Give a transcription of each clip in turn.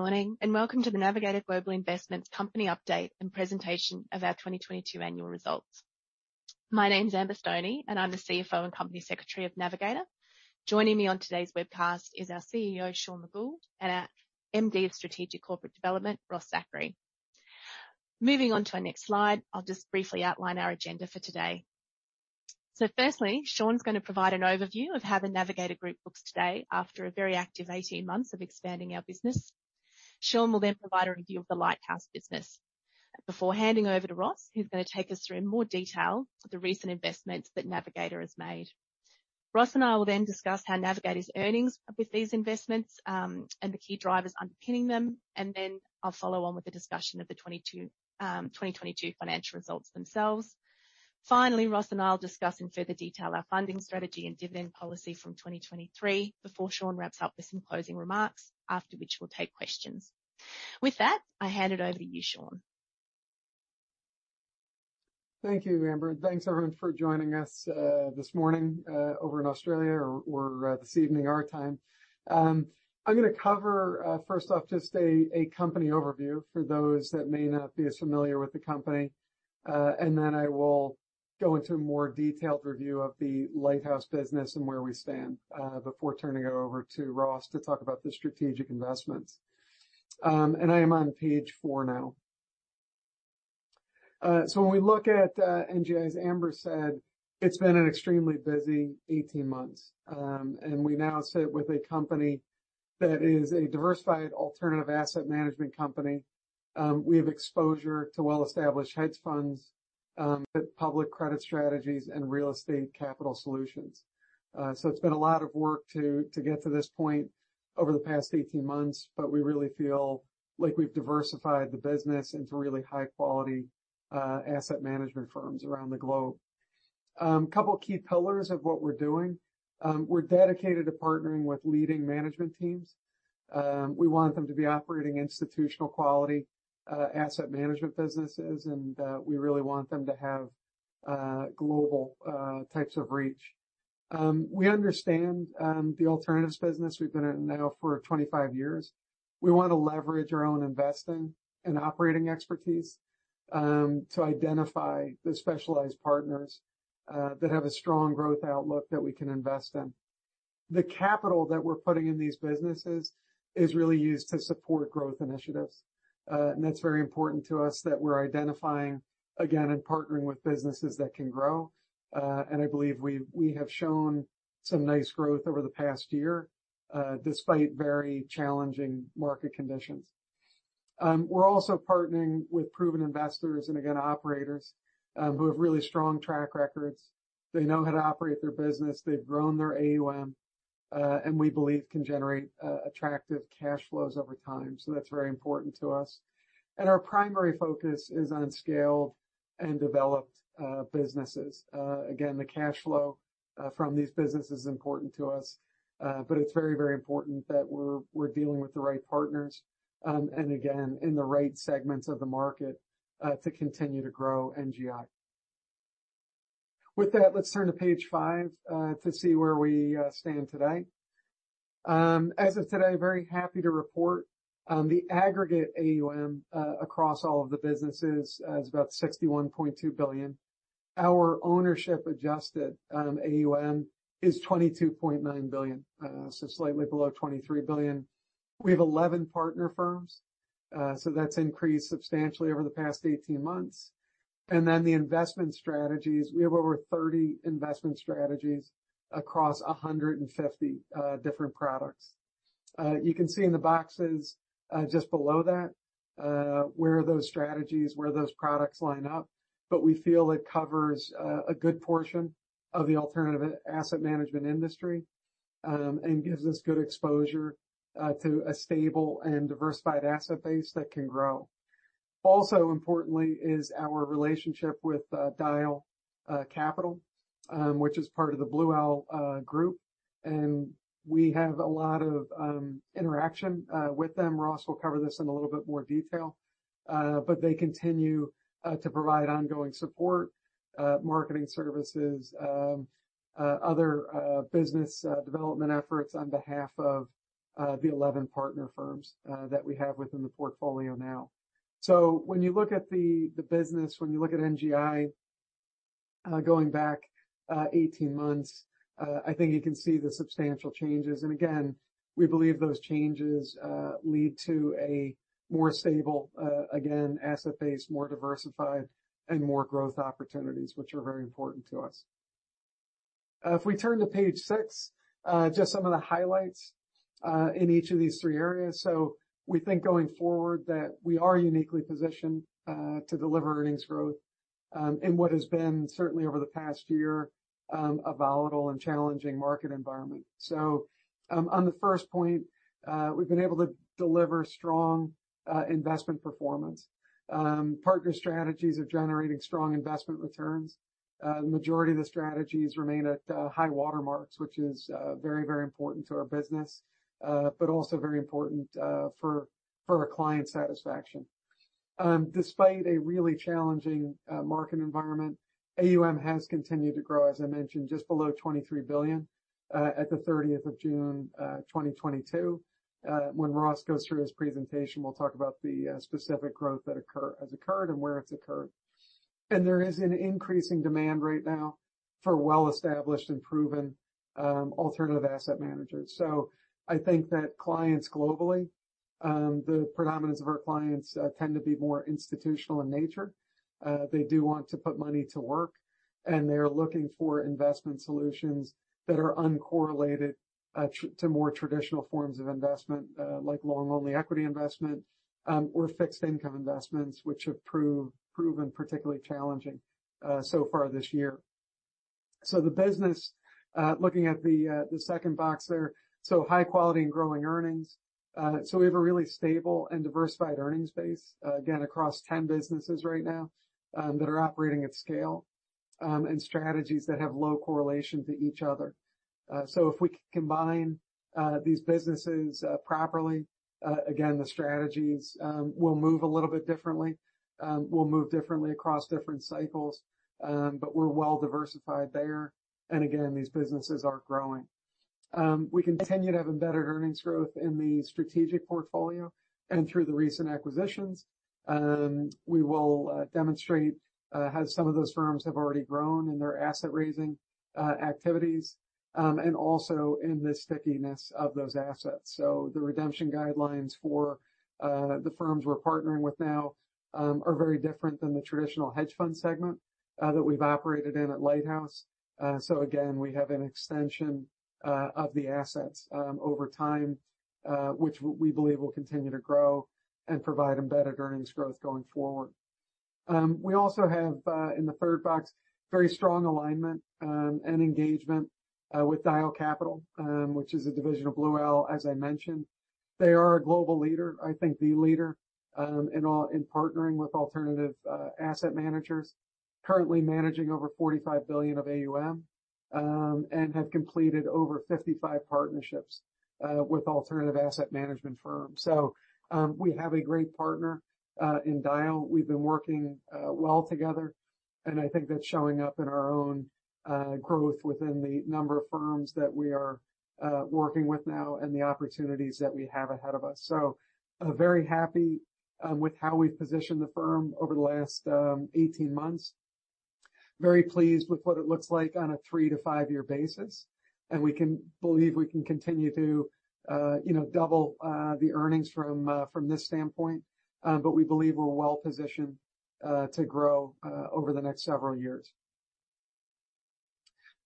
Good morning, and welcome to the Navigator Global Investments company update and presentation of our 2022 annual results. My name is Amber Stoney, and I'm the CFO and Company Secretary of Navigator. Joining me on today's webcast is our CEO, Sean McGould, and our MD of Strategic Corporate Development, Ross Zachary. Moving on to our next slide, I'll just briefly outline our agenda for today. Firstly, Sean's gonna provide an overview of how the Navigator Group looks today after a very active 18 months of expanding our business. Sean will then provide a review of the Lighthouse business before handing over to Ross, who's gonna take us through in more detail to the recent investments that Navigator has made. Ross and I will then discuss how Navigator's earnings from these investments and the key drivers underpinning them. Then I'll follow on with the discussion of the 2022 financial results themselves. Finally, Ross and I will discuss in further detail our funding strategy and dividend policy from 2023 before Sean wraps up with some closing remarks, after which we'll take questions. With that, I hand it over to you, Sean. Thank you, Amber, and thanks, everyone, for joining us this morning over in Australia or this evening our time. I'm gonna cover first off just a company overview for those that may not be as familiar with the company. Then I will go into a more detailed review of the Lighthouse business and where we stand before turning it over to Ross to talk about the strategic investments. I am on page 4 now. When we look at NGI, as Amber said, it's been an extremely busy 18 months. We now sit with a company that is a diversified alternative asset management company. We have exposure to well-established hedge funds, public credit strategies, and real estate capital solutions. It's been a lot of work to get to this point over the past 18 months, but we really feel like we've diversified the business into really high-quality asset management firms around the globe. Couple key pillars of what we're doing. We're dedicated to partnering with leading management teams. We want them to be operating institutional quality asset management businesses, and we really want them to have global types of reach. We understand the alternatives business. We've been in it now for 25 years. We wanna leverage our own investing and operating expertise to identify the specialized partners that have a strong growth outlook that we can invest in. The capital that we're putting in these businesses is really used to support growth initiatives. That's very important to us that we're identifying again and partnering with businesses that can grow. I believe we have shown some nice growth over the past year despite very challenging market conditions. We're also partnering with proven investors and again, operators who have really strong track records. They know how to operate their business. They've grown their AUM and we believe can generate attractive cash flows over time. That's very important to us. Our primary focus is on scaled and developed businesses. Again, the cash flow from these businesses is important to us, but it's very, very important that we're dealing with the right partners and again, in the right segments of the market to continue to grow NGI. With that, let's turn to page 5 to see where we stand today. As of today, very happy to report, the aggregate AUM across all of the businesses is about 61.2 billion. Our ownership adjusted AUM is 22.9 billion, so slightly below 23 billion. We have 11 partner firms. So that's increased substantially over the past 18 months. The investment strategies, we have over 30 investment strategies across 150 different products. You can see in the boxes just below that where those strategies, where those products line up. We feel it covers a good portion of the alternative asset management industry and gives us good exposure to a stable and diversified asset base that can grow. Also importantly is our relationship with Dyal Capital, which is part of the Blue Owl group, and we have a lot of interaction with them. Ross will cover this in a little bit more detail, but they continue to provide ongoing support, marketing services, other business development efforts on behalf of the 11 partner firms that we have within the portfolio now. When you look at the business, when you look at NGI going back 18 months, I think you can see the substantial changes. Again, we believe those changes lead to a more stable again asset base, more diversified and more growth opportunities, which are very important to us. If we turn to page six, just some of the highlights in each of these three areas. We think going forward, that we are uniquely positioned to deliver earnings growth in what has been, certainly over the past year, a volatile and challenging market environment. On the first point, we've been able to deliver strong investment performance. Partner strategies are generating strong investment returns. The majority of the strategies remain at high watermarks, which is very, very important to our business, but also very important for our client satisfaction. Despite a really challenging market environment, AUM has continued to grow, as I mentioned, just below 23 billion at 30th June 2022. When Ross goes through his presentation, we'll talk about the specific growth that has occurred and where it's occurred. There is an increasing demand right now for well-established and proven alternative asset managers. I think that clients globally, the predominance of our clients, tend to be more institutional in nature. They do want to put money to work, and they're looking for investment solutions that are uncorrelated to more traditional forms of investment, like long-only equity investment, or fixed income investments, which have proven particularly challenging so far this year. The business, looking at the second box there, high quality and growing earnings. We have a really stable and diversified earnings base, again, across 10 businesses right now, that are operating at scale, and strategies that have low correlation to each other. If we combine these businesses properly, again, the strategies will move a little bit differently across different cycles, but we're well diversified there. Again, these businesses are growing. We continue to have embedded earnings growth in the strategic portfolio and through the recent acquisitions. We will demonstrate how some of those firms have already grown in their asset-raising activities, and also in the stickiness of those assets. The redemption guidelines for the firms we're partnering with now are very different than the traditional hedge fund segment that we've operated in at Lighthouse. Again, we have an extension of the assets over time, which we believe will continue to grow and provide embedded earnings growth going forward. We also have in the third box very strong alignment and engagement with Dyal Capital, which is a division of Blue Owl, as I mentioned. They are a global leader, I think the leader, in partnering with alternative asset managers, currently managing over $45 billion of AUM, and have completed over 55 partnerships with alternative asset management firms. We have a great partner in Dyal. We've been working well together, and I think that's showing up in our own growth within the number of firms that we are working with now and the opportunities that we have ahead of us. Very happy with how we've positioned the firm over the last 18 months. Very pleased with what it looks like on a 3-5-year basis. We believe we can continue to, you know, double the earnings from this standpoint. We believe we're well-positioned to grow over the next several years.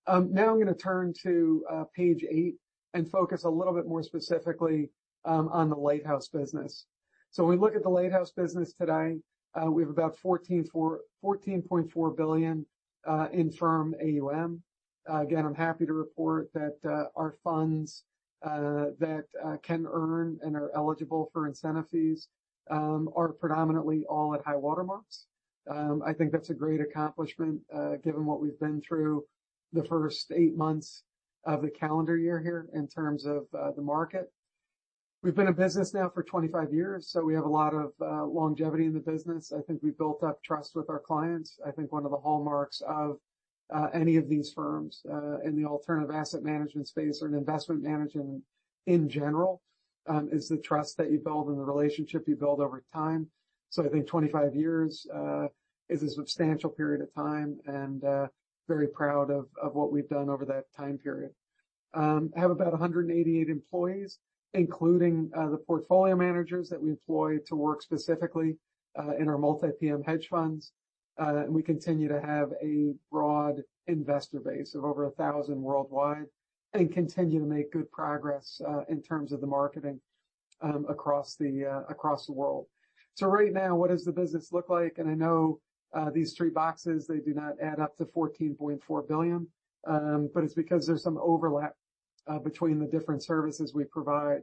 Now I'm gonna turn to page 8 and focus a little bit more specifically on the Lighthouse business. When we look at the Lighthouse business today, we have about 14.4 billion in firm AUM. Again, I'm happy to report that our funds that can earn and are eligible for incentive fees are predominantly all at high water marks. I think that's a great accomplishment, given what we've been through the first 8 months of the calendar year here in terms of the market. We've been in business now for 25 years, so we have a lot of longevity in the business. I think we've built up trust with our clients. I think one of the hallmarks of any of these firms in the alternative asset management space or in investment management in general is the trust that you build and the relationship you build over time. I think 25 years is a substantial period of time, and very proud of what we've done over that time period. Have about 188 employees, including the portfolio managers that we employ to work specifically in our multi-PM hedge funds. We continue to have a broad investor base of over 1,000 worldwide and continue to make good progress in terms of the marketing across the world. Right now, what does the business look like? I know these three boxes. They do not add up to 14.4 billion, but it's because there's some overlap between the different services we provide.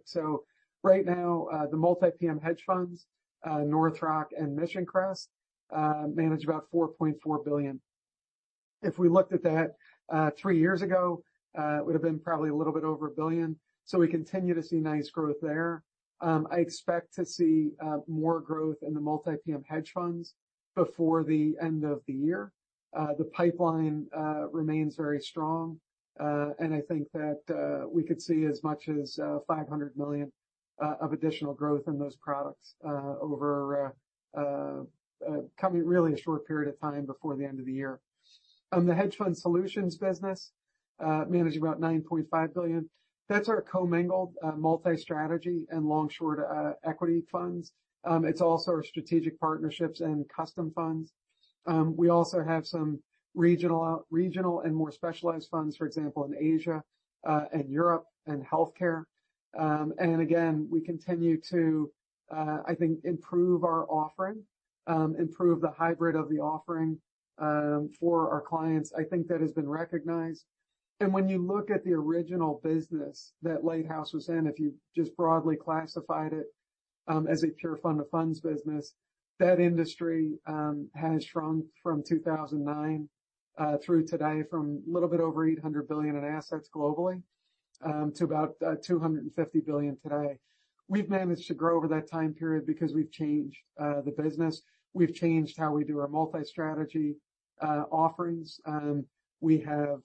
Right now, the multi-PM hedge funds, NorthRock and Mission Crest, manage about 4.4 billion. If we looked at that three years ago, it would've been probably a little bit over 1 billion. We continue to see nice growth there. I expect to see more growth in the multi-PM hedge funds before the end of the year. The pipeline remains very strong. I think that we could see as much as 500 million of additional growth in those products over really a short period of time before the end of the year. The hedge fund solutions business, managing about 9.5 billion. That's our commingled, multi-strategy and long-short equity funds. It's also our strategic partnerships and custom funds. We also have some regional and more specialized funds, for example, in Asia, and Europe and healthcare. We continue to, I think, improve our offering, improve the hybrid of the offering, for our clients. I think that has been recognized. When you look at the original business that Lighthouse was in, if you just broadly classified it as a pure fund of funds business, that industry has shrunk from 2009 through today from a little bit over 800 billion in assets globally to about 250 billion today. We've managed to grow over that time period because we've changed the business. We've changed how we do our multi-strategy offerings. We have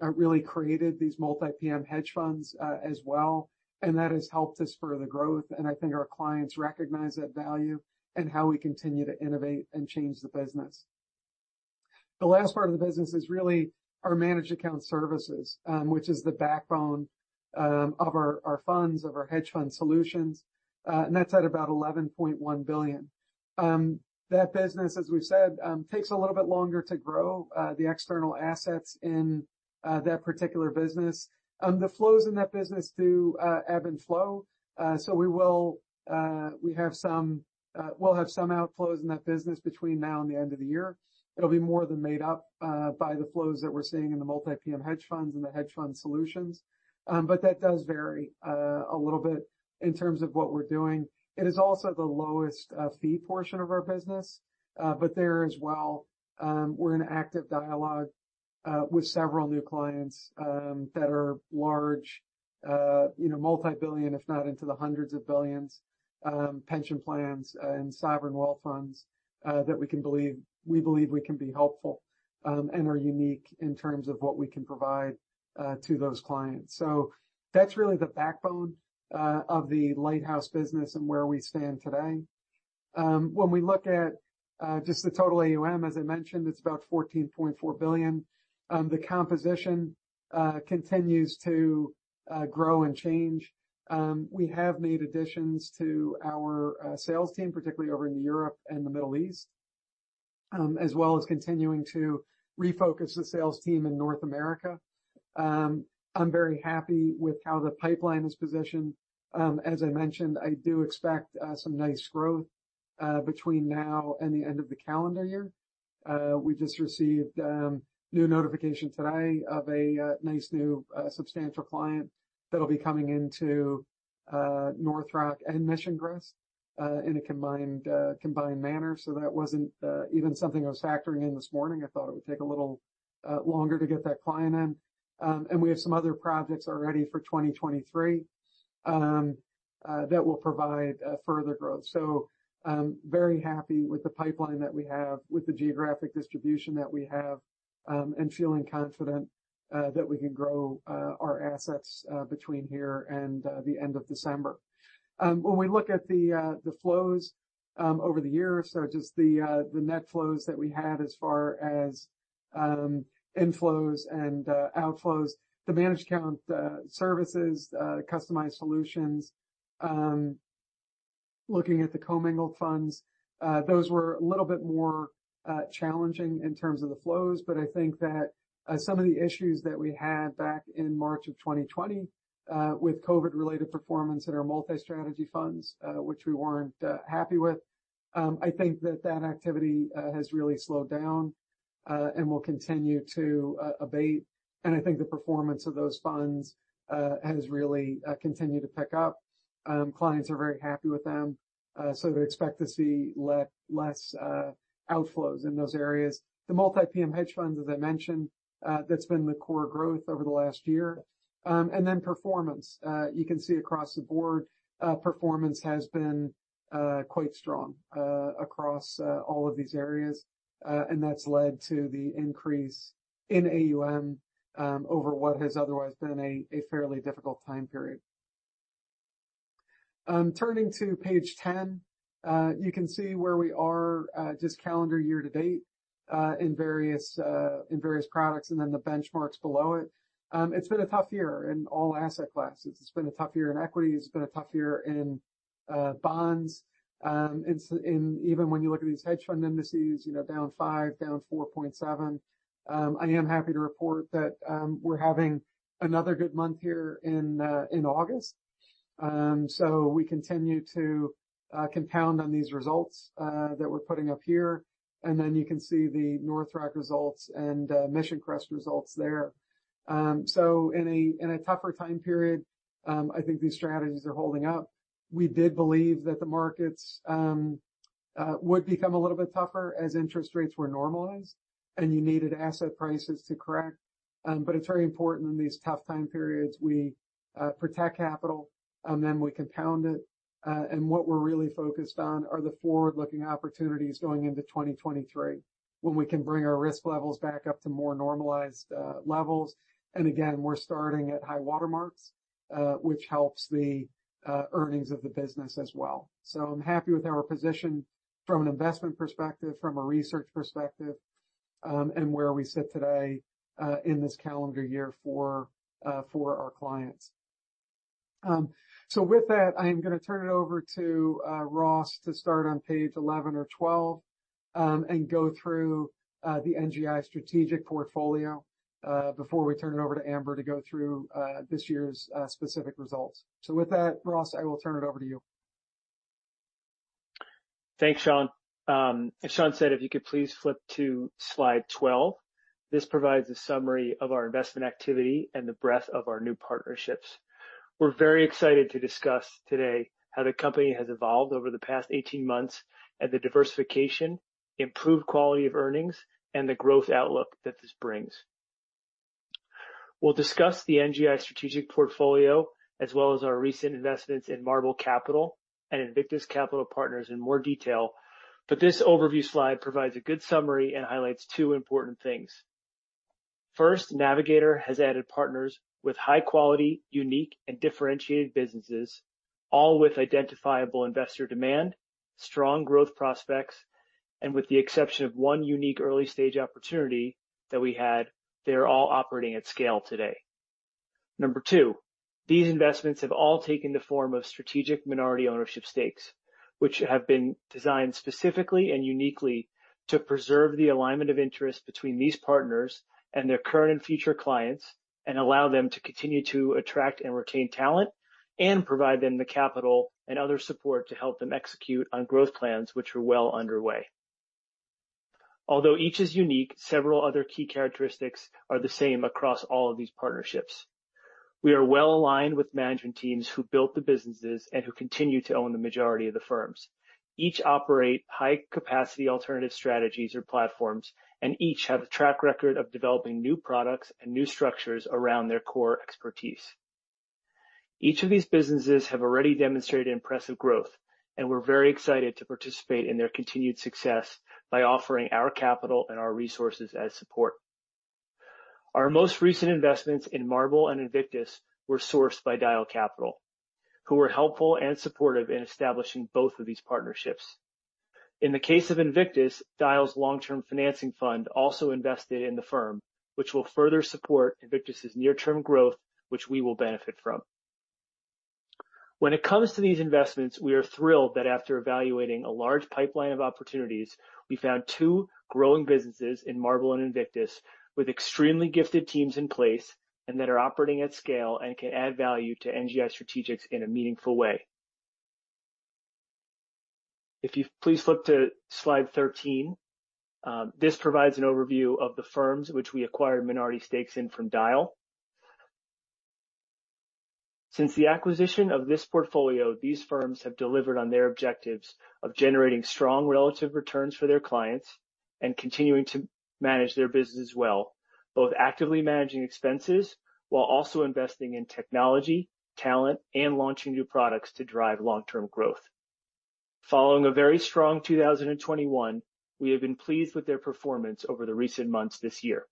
really created these multi-PM hedge funds as well, and that has helped us further growth. I think our clients recognize that value and how we continue to innovate and change the business. The last part of the business is really our managed account services, which is the backbone of our funds, of our hedge fund solutions, and that's at about 11.1 billion. That business, as we've said, takes a little bit longer to grow the external assets in that particular business. The flows in that business do ebb and flow. We'll have some outflows in that business between now and the end of the year. It'll be more than made up by the flows that we're seeing in the multi-PM hedge funds and the hedge fund solutions. That does vary a little bit in terms of what we're doing. It is also the lowest fee portion of our business, but there as well, we're in active dialogue with several new clients that are large, you know, multi-billion, if not into the hundreds of billions, pension plans and sovereign wealth funds that we believe we can be helpful and are unique in terms of what we can provide to those clients. That's really the backbone of the Lighthouse business and where we stand today. When we look at just the total AUM, as I mentioned, it's about 14.4 billion. The composition continues to grow and change. We have made additions to our sales team, particularly over in Europe and the Middle East, as well as continuing to refocus the sales team in North America. I'm very happy with how the pipeline is positioned. As I mentioned, I do expect some nice growth between now and the end of the calendar year. We just received new notification today of a nice new substantial client that'll be coming into NorthRock and Mission Crest in a combined manner. That wasn't even something I was factoring in this morning. I thought it would take a little longer to get that client in. We have some other projects already for 2023 that will provide further growth. Very happy with the pipeline that we have, with the geographic distribution that we have, and feeling confident that we can grow our assets between here and the end of December. When we look at the flows over the year, so just the net flows that we had as far as inflows and outflows, the managed account services, customized solutions, looking at the commingled funds, those were a little bit more challenging in terms of the flows, but I think that some of the issues that we had back in March of 2020 with COVID-related performance at our multi-strategy funds, which we weren't happy with, I think that activity has really slowed down and will continue to abate. I think the performance of those funds has really continued to pick up. Clients are very happy with them, so they expect to see less outflows in those areas. The multi-PM hedge funds, as I mentioned, that's been the core growth over the last year. Performance. You can see across the board, performance has been quite strong, across all of these areas. That's led to the increase in AUM, over what has otherwise been a fairly difficult time period. Turning to page 10, you can see where we are, just calendar year to date, in various products and then the benchmarks below it. It's been a tough year in all asset classes. It's been a tough year in equities. It's been a tough year in bonds. Even when you look at these hedge fund indices, you know, down 5%, down 4.7%. I am happy to report that we're having another good month here in August. We continue to compound on these results that we're putting up here. You can see the NorthRock results and Mission Crest results there. In a tougher time period, I think these strategies are holding up. We did believe that the markets would become a little bit tougher as interest rates were normalized, and you needed asset prices to correct. It's very important in these tough time periods, we protect capital, and then we compound it. What we're really focused on are the forward-looking opportunities going into 2023, when we can bring our risk levels back up to more normalized levels. We're starting at high watermarks, which helps the earnings of the business as well. I'm happy with our position from an investment perspective, from a research perspective, and where we sit today in this calendar year for our clients. With that, I am gonna turn it over to Ross to start on page 11 or 12 and go through the NGI Strategic Portfolio before we turn it over to Amber to go through this year's specific results. With that, Ross, I will turn it over to you. Thanks, Sean. As Sean said, if you could please flip to slide 12. This provides a summary of our investment activity and the breadth of our new partnerships. We're very excited to discuss today how the company has evolved over the past 18 months and the diversification, improved quality of earnings and the growth outlook that this brings. We'll discuss the NGI Strategic Portfolio as well as our recent investments in Marble Capital and Invictus Capital Partners in more detail. This overview slide provides a good summary and highlights two important things. First, Navigator has added partners with high quality, unique and differentiated businesses, all with identifiable investor demand, strong growth prospects, and with the exception of one unique early stage opportunity that we had, they are all operating at scale today. Number two, these investments have all taken the form of strategic minority ownership stakes, which have been designed specifically and uniquely to preserve the alignment of interest between these partners and their current and future clients, and allow them to continue to attract and retain talent and provide them the capital and other support to help them execute on growth plans which are well underway. Although each is unique, several other key characteristics are the same across all of these partnerships. We are well aligned with management teams who built the businesses and who continue to own the majority of the firms. Each operate high capacity alternative strategies or platforms, and each have a track record of developing new products and new structures around their core expertise. Each of these businesses have already demonstrated impressive growth, and we're very excited to participate in their continued success by offering our capital and our resources as support. Our most recent investments in Marble and Invictus were sourced by Dyal Capital, who were helpful and supportive in establishing both of these partnerships. In the case of Invictus, Dyal's long-term financing fund also invested in the firm, which will further support Invictus's near-term growth, which we will benefit from. When it comes to these investments, we are thrilled that after evaluating a large pipeline of opportunities, we found two growing businesses in Marble and Invictus with extremely gifted teams in place and that are operating at scale and can add value to NGI Strategic in a meaningful way. If you please flip to slide 13, this provides an overview of the firms which we acquired minority stakes in from Dyal. Since the acquisition of this portfolio, these firms have delivered on their objectives of generating strong relative returns for their clients and continuing to manage their business well, both actively managing expenses while also investing in technology, talent, and launching new products to drive long-term growth. Following a very strong 2021, we have been pleased with their performance over the recent months this year.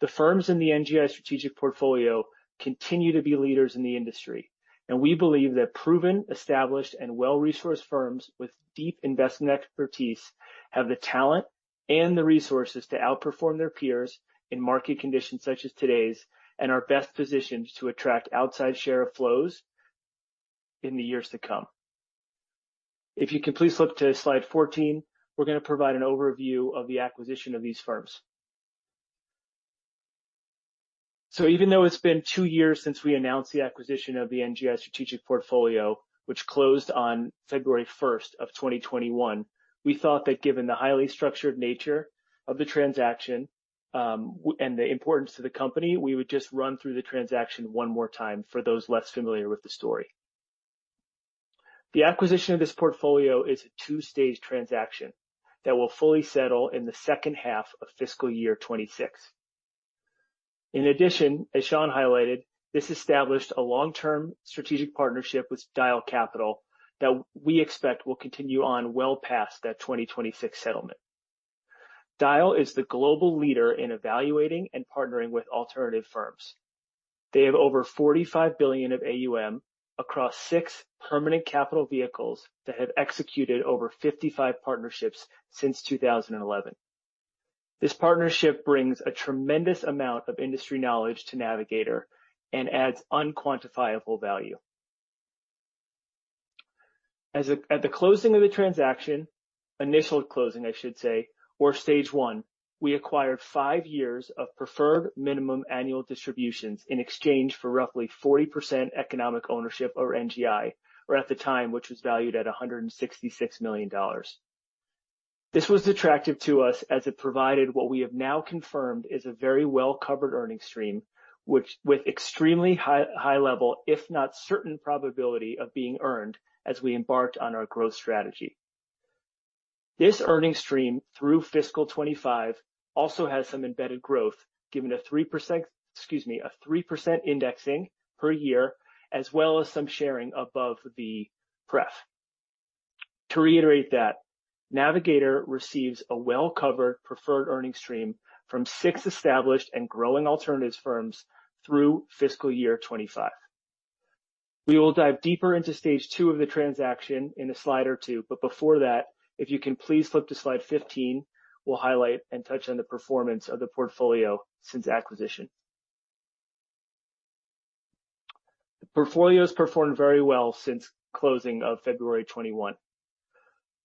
The firms in the NGI Strategic Portfolio continue to be leaders in the industry, and we believe that proven, established, and well-resourced firms with deep investment expertise have the talent and the resources to outperform their peers in market conditions such as today's and are best positioned to attract outside share of flows in the years to come. If you can please flip to slide 14, we're going to provide an overview of the acquisition of these firms. Even though it's been 2 years since we announced the acquisition of the NGI Strategic Portfolio, which closed on February 1, 2021, we thought that given the highly structured nature of the transaction, and the importance to the company, we would just run through the transaction one more time for those less familiar with the story. The acquisition of this portfolio is a two-stage transaction that will fully settle in the second half of fiscal year 2026. In addition, as Sean highlighted, this established a long-term strategic partnership with Dyal Capital that we expect will continue on well past that 2026 settlement. Dyal is the global leader in evaluating and partnering with alternative firms. They have over $45 billion of AUM across 6 permanent capital vehicles that have executed over 55 partnerships since 2011. This partnership brings a tremendous amount of industry knowledge to Navigator and adds unquantifiable value. At the closing of the transaction, initial closing, I should say, or stage one, we acquired five years of preferred minimum annual distributions in exchange for roughly 40% economic ownership over NGI, or at the time, which was valued at 166 million dollars. This was attractive to us as it provided what we have now confirmed is a very well-covered earning stream, which with extremely high level, if not certain probability of being earned as we embarked on our growth strategy. This earning stream through fiscal 2025 also has some embedded growth, given a 3%, excuse me, a 3% indexing per year, as well as some sharing above the pref. To reiterate that, Navigator receives a well-covered preferred earning stream from six established and growing alternatives firms through fiscal year 2025. We will dive deeper into stage two of the transaction in a slide or two, but before that, if you can please flip to slide 15, we'll highlight and touch on the performance of the portfolio since acquisition. The portfolio has performed very well since closing of February 2021.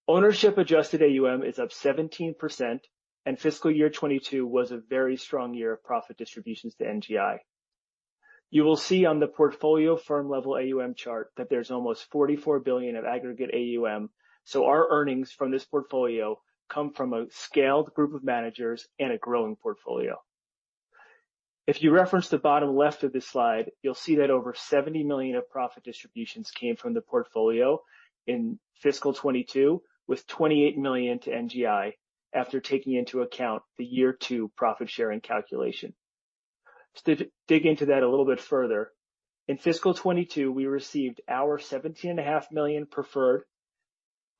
Ownership adjusted AUM is up 17%, and fiscal year 2022 was a very strong year of profit distributions to NGI. You will see on the portfolio firm level AUM chart that there's almost 44 billion of aggregate AUM, so our earnings from this portfolio come from a scaled group of managers and a growing portfolio. If you reference the bottom left of this slide, you'll see that over 70 million of profit distributions came from the portfolio in fiscal 2022, with 28 million to NGI after taking into account the year two profit sharing calculation. To dig into that a little bit further, in fiscal 2022, we received our 17.5 million preferred,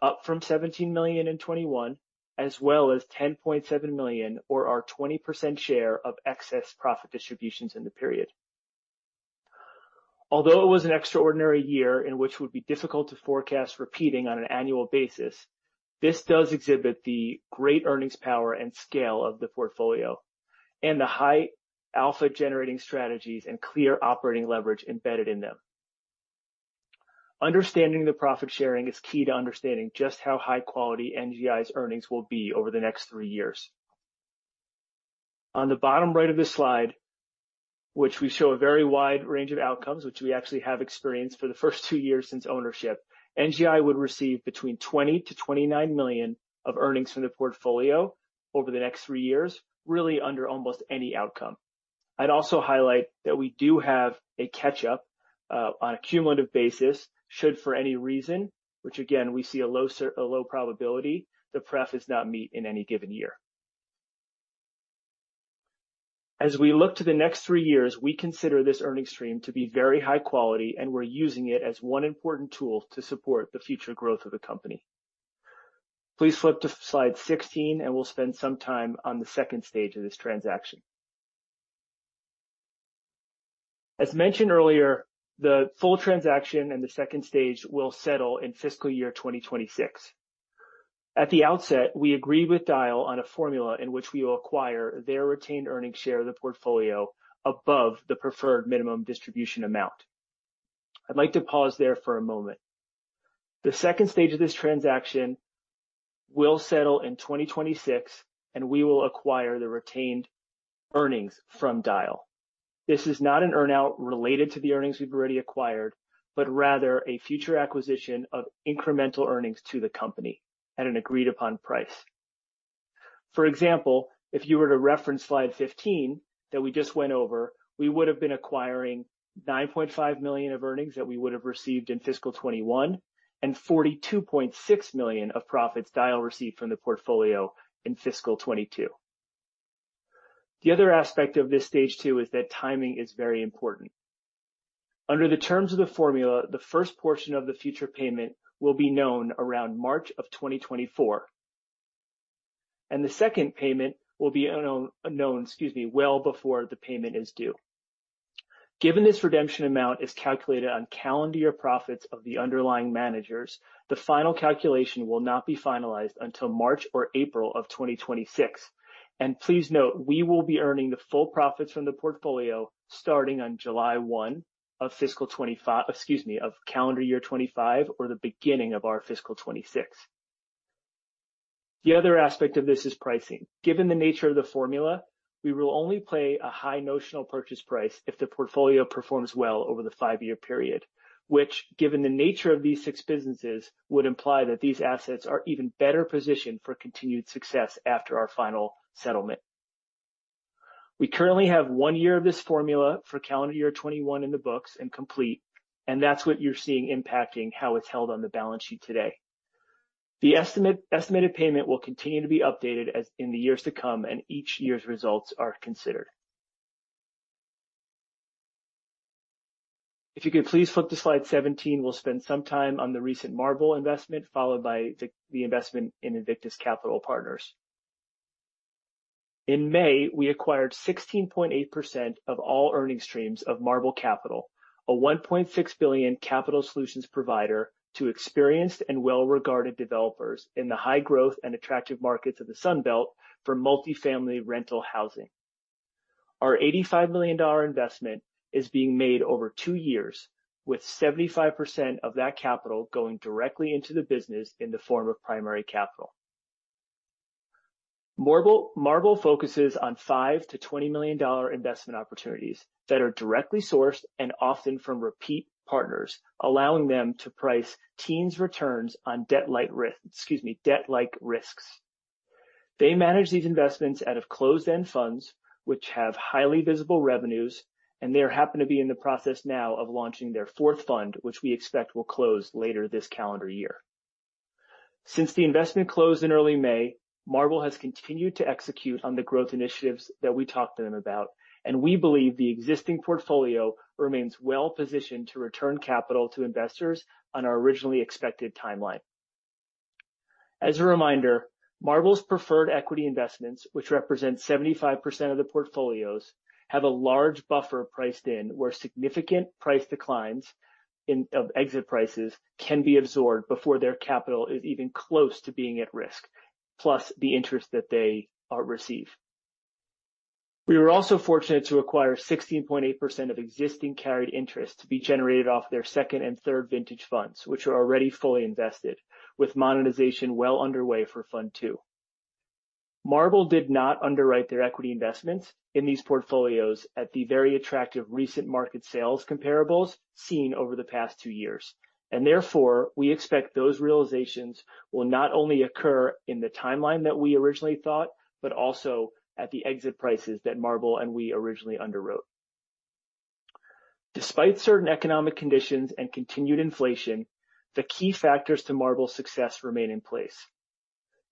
up from 17 million in 2021, as well as 10.7 million or our 20% share of excess profit distributions in the period. Although it was an extraordinary year in which it would be difficult to forecast repeating on an annual basis, this does exhibit the great earnings power and scale of the portfolio and the high alpha generating strategies and clear operating leverage embedded in them. Understanding the profit sharing is key to understanding just how high quality NGI's earnings will be over the next three years. On the bottom right of this slide, where we show a very wide range of outcomes, which we actually have experienced for the first two years since ownership, NGI would receive between 20 million-29 million of earnings from the portfolio over the next three years, really under almost any outcome. I'd also highlight that we do have a catch-up on a cumulative basis should for any reason, which again, we see a low probability, the pref does not meet in any given year. As we look to the next three years, we consider this earnings stream to be very high quality, and we're using it as one important tool to support the future growth of the company. Please flip to slide 16, and we'll spend some time on the second stage of this transaction. As mentioned earlier, the full transaction and the second stage will settle in fiscal year 2026. At the outset, we agreed with Dyal on a formula in which we will acquire their retained earnings share of the portfolio above the preferred minimum distribution amount. I'd like to pause there for a moment. The second stage of this transaction will settle in 2026, and we will acquire the retained earnings from Dyal. This is not an earn-out related to the earnings we've already acquired, but rather a future acquisition of incremental earnings to the company at an agreed-upon price. For example, if you were to reference slide 15 that we just went over, we would have been acquiring 9.5 million of earnings that we would have received in fiscal 2021 and 42.6 million of profits Dyal received from the portfolio in fiscal 2022. The other aspect of this stage two is that timing is very important. Under the terms of the formula, the first portion of the future payment will be known around March of 2024. The second payment will be unknown, excuse me, well before the payment is due. Given this redemption amount is calculated on calendar year profits of the underlying managers, the final calculation will not be finalized until March or April of 2026. Please note, we will be earning the full profits from the portfolio starting on July 1 of calendar year 2025 or the beginning of our fiscal 2026. The other aspect of this is pricing. Given the nature of the formula, we will only pay a high notional purchase price if the portfolio performs well over the five-year period, which, given the nature of these six businesses, would imply that these assets are even better positioned for continued success after our final settlement. We currently have one year of this formula for calendar year 2021 in the books and complete, and that's what you're seeing impacting how it's held on the balance sheet today. The estimated payment will continue to be updated as in the years to come, and each year's results are considered. If you could please flip to slide 17, we'll spend some time on the recent Marble investment, followed by the investment in Invictus Capital Partners. In May, we acquired 16.8% of all earning streams of Marble Capital, a $1.6 billion capital solutions provider to experienced and well-regarded developers in the high growth and attractive markets of the Sun Belt for multifamily rental housing. Our $85 million investment is being made over two years, with 75% of that capital going directly into the business in the form of primary capital. Marble focuses on $5 million-$20 million investment opportunities that are directly sourced and often from repeat partners, allowing them to price teens returns on debt-like risks. They manage these investments out of closed-end funds, which have highly visible revenues, and they happen to be in the process now of launching their fourth fund, which we expect will close later this calendar year. Since the investment closed in early May, Marble has continued to execute on the growth initiatives that we talked to them about, and we believe the existing portfolio remains well positioned to return capital to investors on our originally expected timeline. As a reminder, Marble's preferred equity investments, which represent 75% of the portfolios, have a large buffer priced in where significant price declines of exit prices can be absorbed before their capital is even close to being at risk, plus the interest that they receive. We were also fortunate to acquire 16.8% of existing carried interest to be generated off their second and third vintage funds, which are already fully invested, with monetization well underway for fund 2. Marble did not underwrite their equity investments in these portfolios at the very attractive recent market sales comparables seen over the past 2 years. Therefore, we expect those realizations will not only occur in the timeline that we originally thought, but also at the exit prices that Marble and we originally underwrote. Despite certain economic conditions and continued inflation, the key factors to Marble's success remain in place.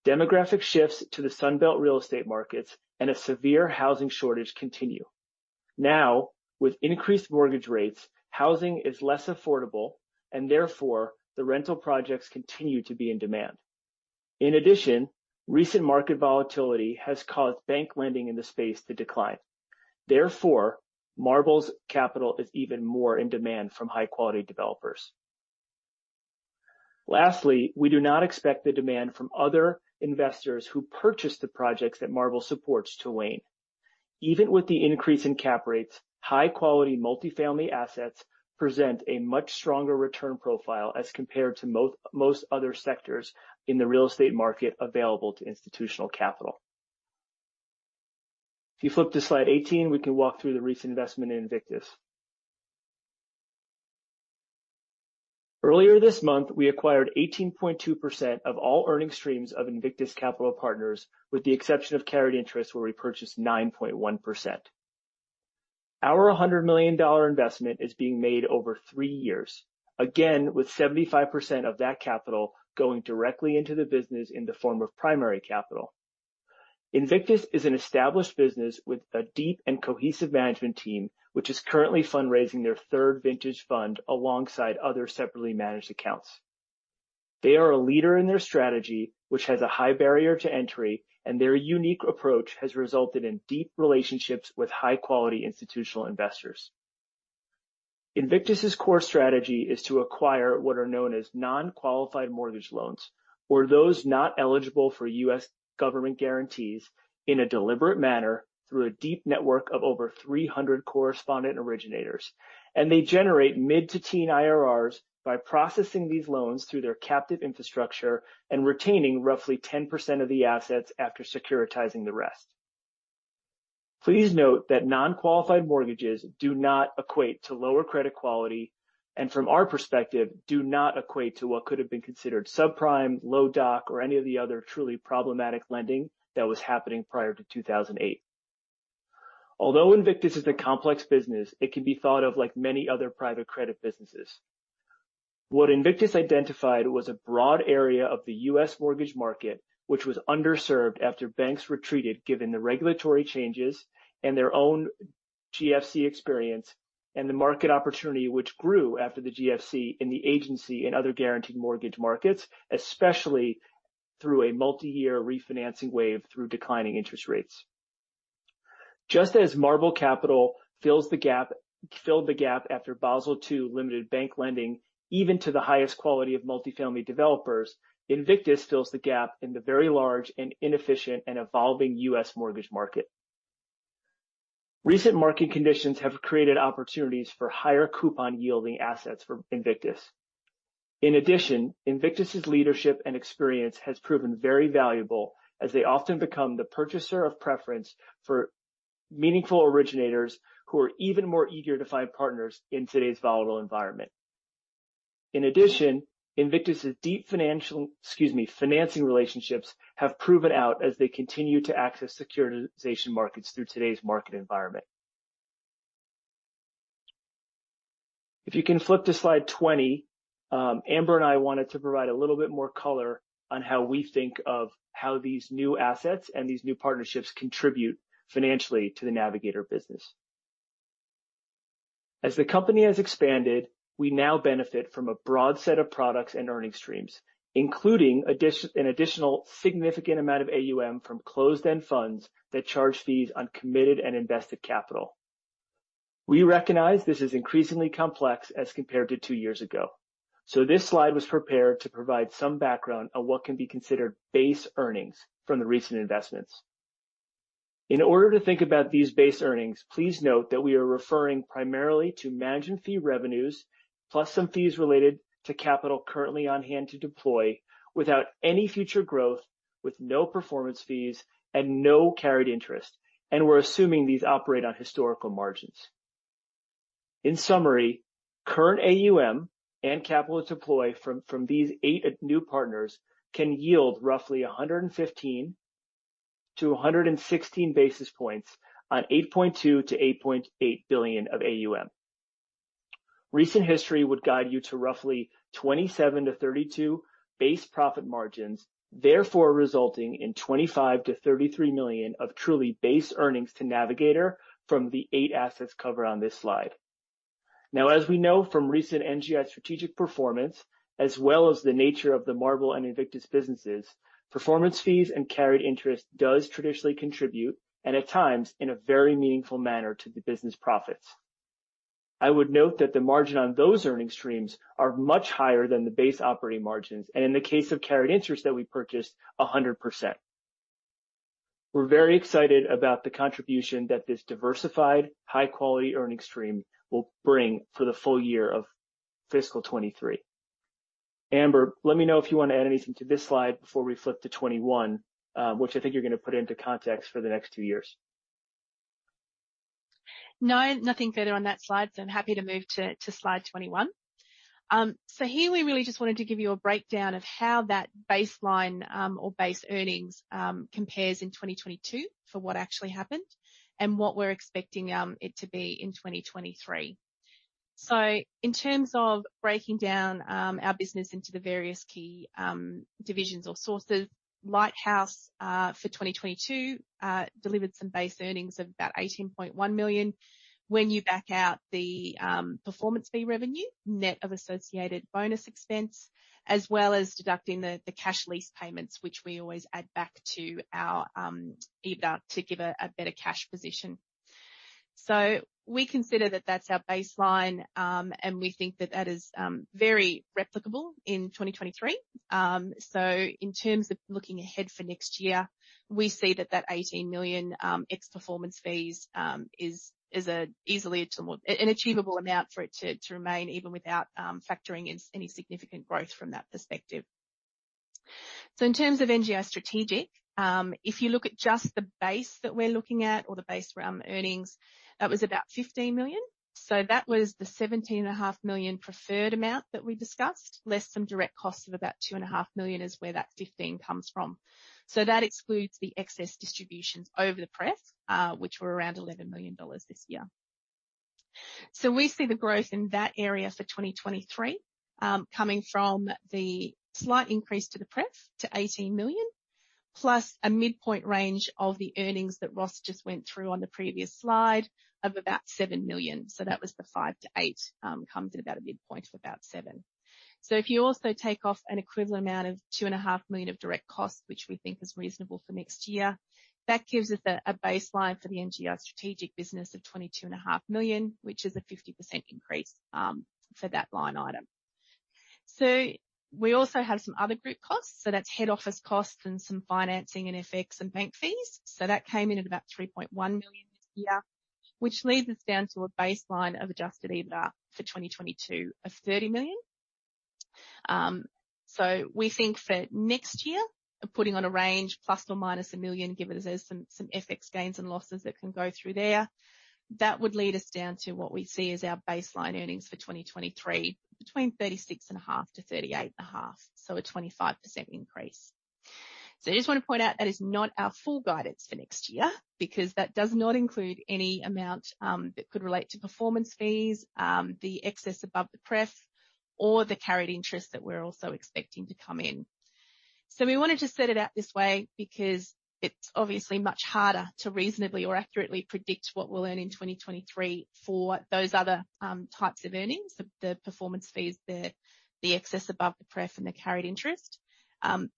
Demographic shifts to the Sun Belt real estate markets and a severe housing shortage continue. Now, with increased mortgage rates, housing is less affordable and therefore the rental projects continue to be in demand. In addition, recent market volatility has caused bank lending in the space to decline. Therefore, Marble's capital is even more in demand from high-quality developers. Lastly, we do not expect the demand from other investors who purchase the projects that Marble supports to wane. Even with the increase in cap rates, high-quality multifamily assets present a much stronger return profile as compared to most other sectors in the real estate market available to institutional capital. If you flip to slide 18, we can walk through the recent investment in Invictus. Earlier this month, we acquired 18.2% of all earning streams of Invictus Capital Partners, with the exception of carried interest, where we purchased 9.1%. Our $100 million investment is being made over three years, again, with 75% of that capital going directly into the business in the form of primary capital. Invictus is an established business with a deep and cohesive management team, which is currently fundraising their third vintage fund alongside other separately managed accounts. They are a leader in their strategy, which has a high barrier to entry, and their unique approach has resulted in deep relationships with high-quality institutional investors. Invictus's core strategy is to acquire what are known as non-qualified mortgage loans or those not eligible for U.S. government guarantees in a deliberate manner through a deep network of over 300 correspondent originators. They generate mid- to teen IRRs by processing these loans through their captive infrastructure and retaining roughly 10% of the assets after securitizing the rest. Please note that non-qualified mortgages do not equate to lower credit quality and from our perspective, do not equate to what could have been considered subprime, low doc or any of the other truly problematic lending that was happening prior to 2008. Although Invictus is a complex business, it can be thought of like many other private credit businesses. What Invictus identified was a broad area of the U.S. mortgage market, which was underserved after banks retreated, given the regulatory changes and their own GFC experience, and the market opportunity which grew after the GFC in the agency and other guaranteed mortgage markets, especially through a multi-year refinancing wave through declining interest rates. Just as Marble Capital filled the gap after Basel III limited bank lending, even to the highest quality of multifamily developers, Invictus fills the gap in the very large and inefficient and evolving U.S. mortgage market. Recent market conditions have created opportunities for higher coupon yielding assets for Invictus. In addition, Invictus's leadership and experience has proven very valuable as they often become the purchaser of preference for meaningful originators who are even more eager to find partners in today's volatile environment. In addition, Invictus's deep financing relationships have proven out as they continue to access securitization markets through today's market environment. If you can flip to slide 20, Amber and I wanted to provide a little bit more color on how we think of how these new assets and these new partnerships contribute financially to the Navigator business. As the company has expanded, we now benefit from a broad set of products and earning streams, including an additional significant amount of AUM from closed-end funds that charge fees on committed and invested capital. We recognize this is increasingly complex as compared to two years ago. This slide was prepared to provide some background on what can be considered base earnings from the recent investments. In order to think about these base earnings, please note that we are referring primarily to management fee revenues plus some fees related to capital currently on hand to deploy without any future growth, with no performance fees and no carried interest. We're assuming these operate on historical margins. In summary, current AUM and capital to deploy from these eight new partners can yield roughly 115 basis points-116 basis points on 8.2 billion-8.8 billion of AUM. Recent history would guide you to roughly 27%-32% base profit margins, therefore resulting in 25 million-33 million of truly base earnings to Navigator from the eight assets covered on this slide. Now, as we know from recent NGI Strategic performance, as well as the nature of the Marble and Invictus businesses, performance fees and carried interest does traditionally contribute, and at times, in a very meaningful manner to the business profits. I would note that the margin on those earnings streams are much higher than the base operating margins, and in the case of carried interest that we purchased, 100%. We're very excited about the contribution that this diversified, high-quality earning stream will bring for the full year of fiscal 2023. Amber, let me know if you want to add anything to this slide before we flip to 21, which I think you're going to put into context for the next two years. No, nothing further on that slide. I'm happy to move to slide 21. Here we really just wanted to give you a breakdown of how that baseline or base earnings compares in 2022 for what actually happened and what we're expecting it to be in 2023. In terms of breaking down our business into the various key divisions or sources, Lighthouse for 2022 delivered some base earnings of about 18.1 million. When you back out the performance fee revenue, net of associated bonus expense, as well as deducting the cash lease payments, which we always add back to our EBITDA to give a better cash position. We consider that that's our baseline and we think that that is very replicable in 2023. In terms of looking ahead for next year, we see that 18 million ex performance fees is easily an achievable amount for it to remain even without factoring in any significant growth from that perspective. In terms of NGI Strategic, if you look at just the base that we're looking at or the base around earnings, that was about 15 million. That was the 17.5 million preferred amount that we discussed, less some direct costs of about 2.5 million is where that 15 comes from. That excludes the excess distributions over the pref, which were around 11 million dollars this year. We see the growth in that area for 2023, coming from the slight increase to the pref to 18 million, plus a midpoint range of the earnings that Ross just went through on the previous slide of about 7 million. That was the 5 million-8 million, comes at about a midpoint of about 7. If you also take off an equivalent amount of 2.5 million of direct costs, which we think is reasonable for next year, that gives us a baseline for the NGI Strategic business of 22.5 million, which is a 50% increase, for that line item. We also have some other group costs. That's head office costs and some financing and FX and bank fees. That came in at about 3.1 million this year, which leaves us down to a baseline of adjusted EBITDA for 2022 of 30 million. We think for next year, putting on a range ±1 million, given there's some FX gains and losses that can go through there, that would lead us down to what we see as our baseline earnings for 2023, between 36.5 million and 38.5 million. A 25% increase. I just want to point out that is not our full guidance for next year because that does not include any amount that could relate to performance fees, the excess above the pref or the carried interest that we're also expecting to come in. We wanted to set it out this way because it's obviously much harder to reasonably or accurately predict what we'll earn in 2023 for those other types of earnings, the performance fees, the excess above the pref and the carried interest.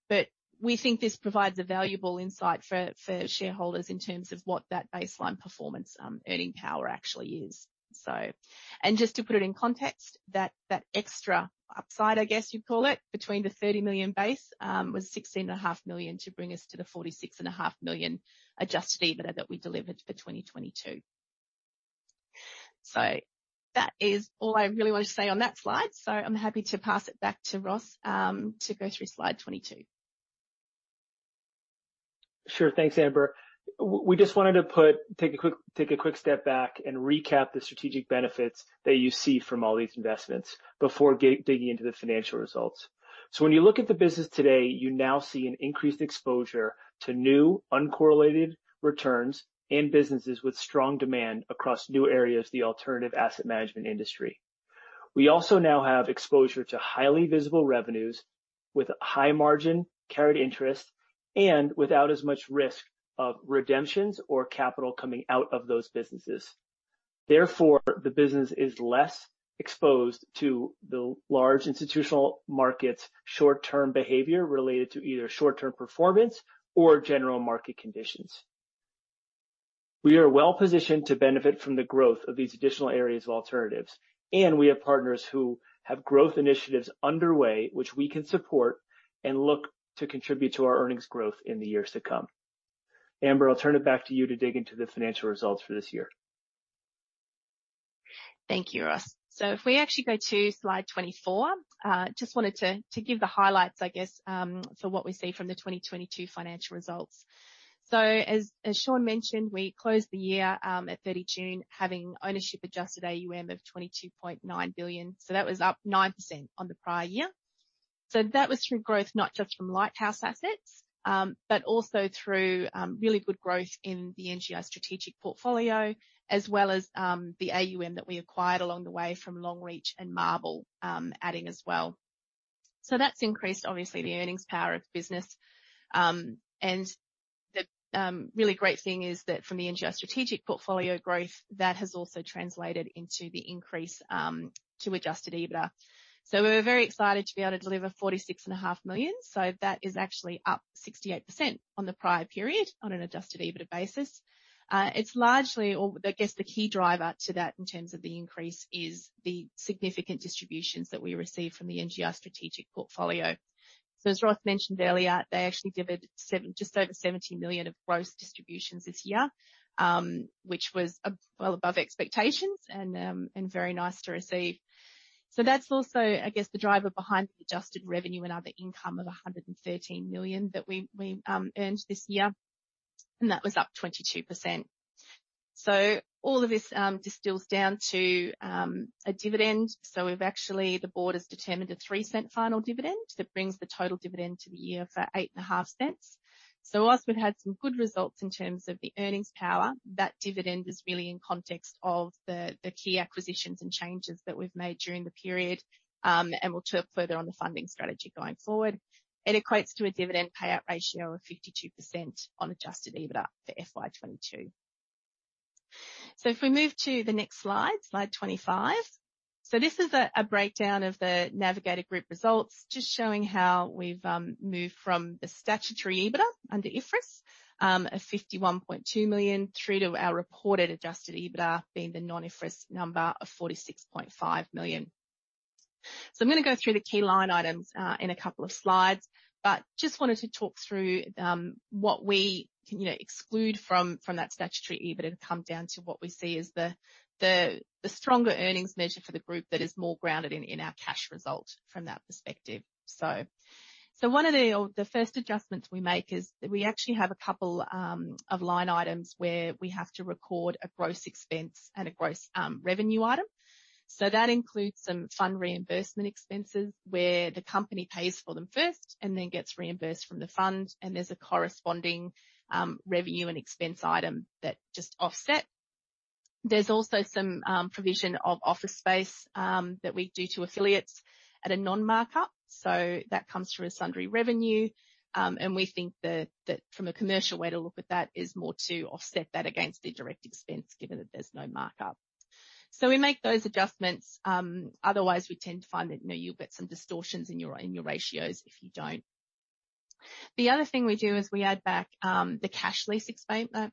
But we think this provides a valuable insight for shareholders in terms of what that baseline performance earning power actually is. Just to put it in context, that extra upside, I guess you'd call it, between the 30 million base was 16.5 million to bring us to the 46.5 million adjusted EBITDA that we delivered for 2022. That is all I really wanted to say on that slide. I'm happy to pass it back to Ross to go through slide 22. Sure. Thanks, Amber. We just wanted to take a quick step back and recap the strategic benefits that you see from all these investments before digging into the financial results. When you look at the business today, you now see an increased exposure to new uncorrelated returns in businesses with strong demand across new areas of the alternative asset management industry. We also now have exposure to highly visible revenues with high margin carried interest and without as much risk of redemptions or capital coming out of those businesses. Therefore, the business is less exposed to the large institutional market's short-term behavior related to either short-term performance or general market conditions. We are well-positioned to benefit from the growth of these additional areas of alternatives, and we have partners who have growth initiatives underway, which we can support and look to contribute to our earnings growth in the years to come. Amber, I'll turn it back to you to dig into the financial results for this year. Thank you, Ross. If we actually go to slide 24, just wanted to give the highlights, I guess, for what we see from the 2022 financial results. As Sean mentioned, we closed the year at 30 June having ownership adjusted AUM of 22.9 billion. That was up 9% on the prior year. That was through growth, not just from Lighthouse assets, but also through really good growth in the NGI Strategic Portfolio, as well as the AUM that we acquired along the way from Longreach and Marble, adding as well. That's increased obviously the earnings power of the business. The really great thing is that from the NGI Strategic Portfolio growth, that has also translated into the increase to adjusted EBITDA. We're very excited to be able to deliver 46.5 million. That is actually up 68% on the prior period on an adjusted EBITDA basis. It's largely or I guess the key driver to that in terms of the increase is the significant distributions that we received from the NGI Strategic Portfolio. As Ross mentioned earlier, they actually divvied just over 17 million of gross distributions this year, which was well above expectations and very nice to receive. That's also, I guess, the driver behind the adjusted revenue and other income of 113 million that we earned this year. That was up 22%. All of this distills down to a dividend. The Board has determined an 0.03 final dividend. That brings the total dividend to the year for eight and a half cents. While we've had some good results in terms of the earnings power, that dividend is really in context of the key acquisitions and changes that we've made during the period, and we'll talk further on the funding strategy going forward. It equates to a dividend payout ratio of 52% on adjusted EBITDA for FY 2022. If we move to the next slide 25. This is a breakdown of the Navigator Group results, just showing how we've moved from the statutory EBITDA under IFRS of 51.2 million through to our reported adjusted EBITDA being the non-IFRS number of 46.5 million. I'm gonna go through the key line items in a couple of slides, but just wanted to talk through what we can, you know, exclude from that statutory EBITDA to come down to what we see as the stronger earnings measure for the group that is more grounded in our cash result from that perspective. One of the first adjustments we make is we actually have a couple of line items where we have to record a gross expense and a gross revenue item. That includes some fund reimbursement expenses where the company pays for them first and then gets reimbursed from the fund, and there's a corresponding revenue and expense item that just offset. There's also some provision of office space that we do to affiliates at a non-markup. That comes through as sundry revenue. We think that from a commercial way to look at that is more to offset that against the direct expense given that there's no markup. We make those adjustments, otherwise we tend to find that, you know, you'll get some distortions in your ratios if you don't. The other thing we do is we add back the cash lease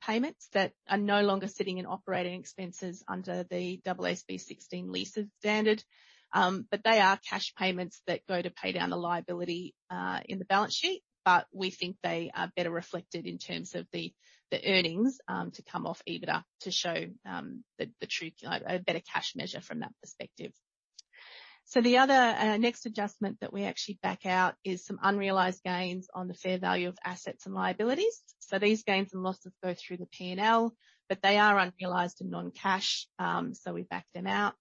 payments that are no longer sitting in operating expenses under the AASB 16 leases standard. They are cash payments that go to pay down the liability in the balance sheet, but we think they are better reflected in terms of the earnings to come off EBITDA to show a better cash measure from that perspective. The other next adjustment that we actually back out is some unrealized gains on the fair value of assets and liabilities. These gains and losses go through the P&L, but they are unrealized and non-cash, so we back them out,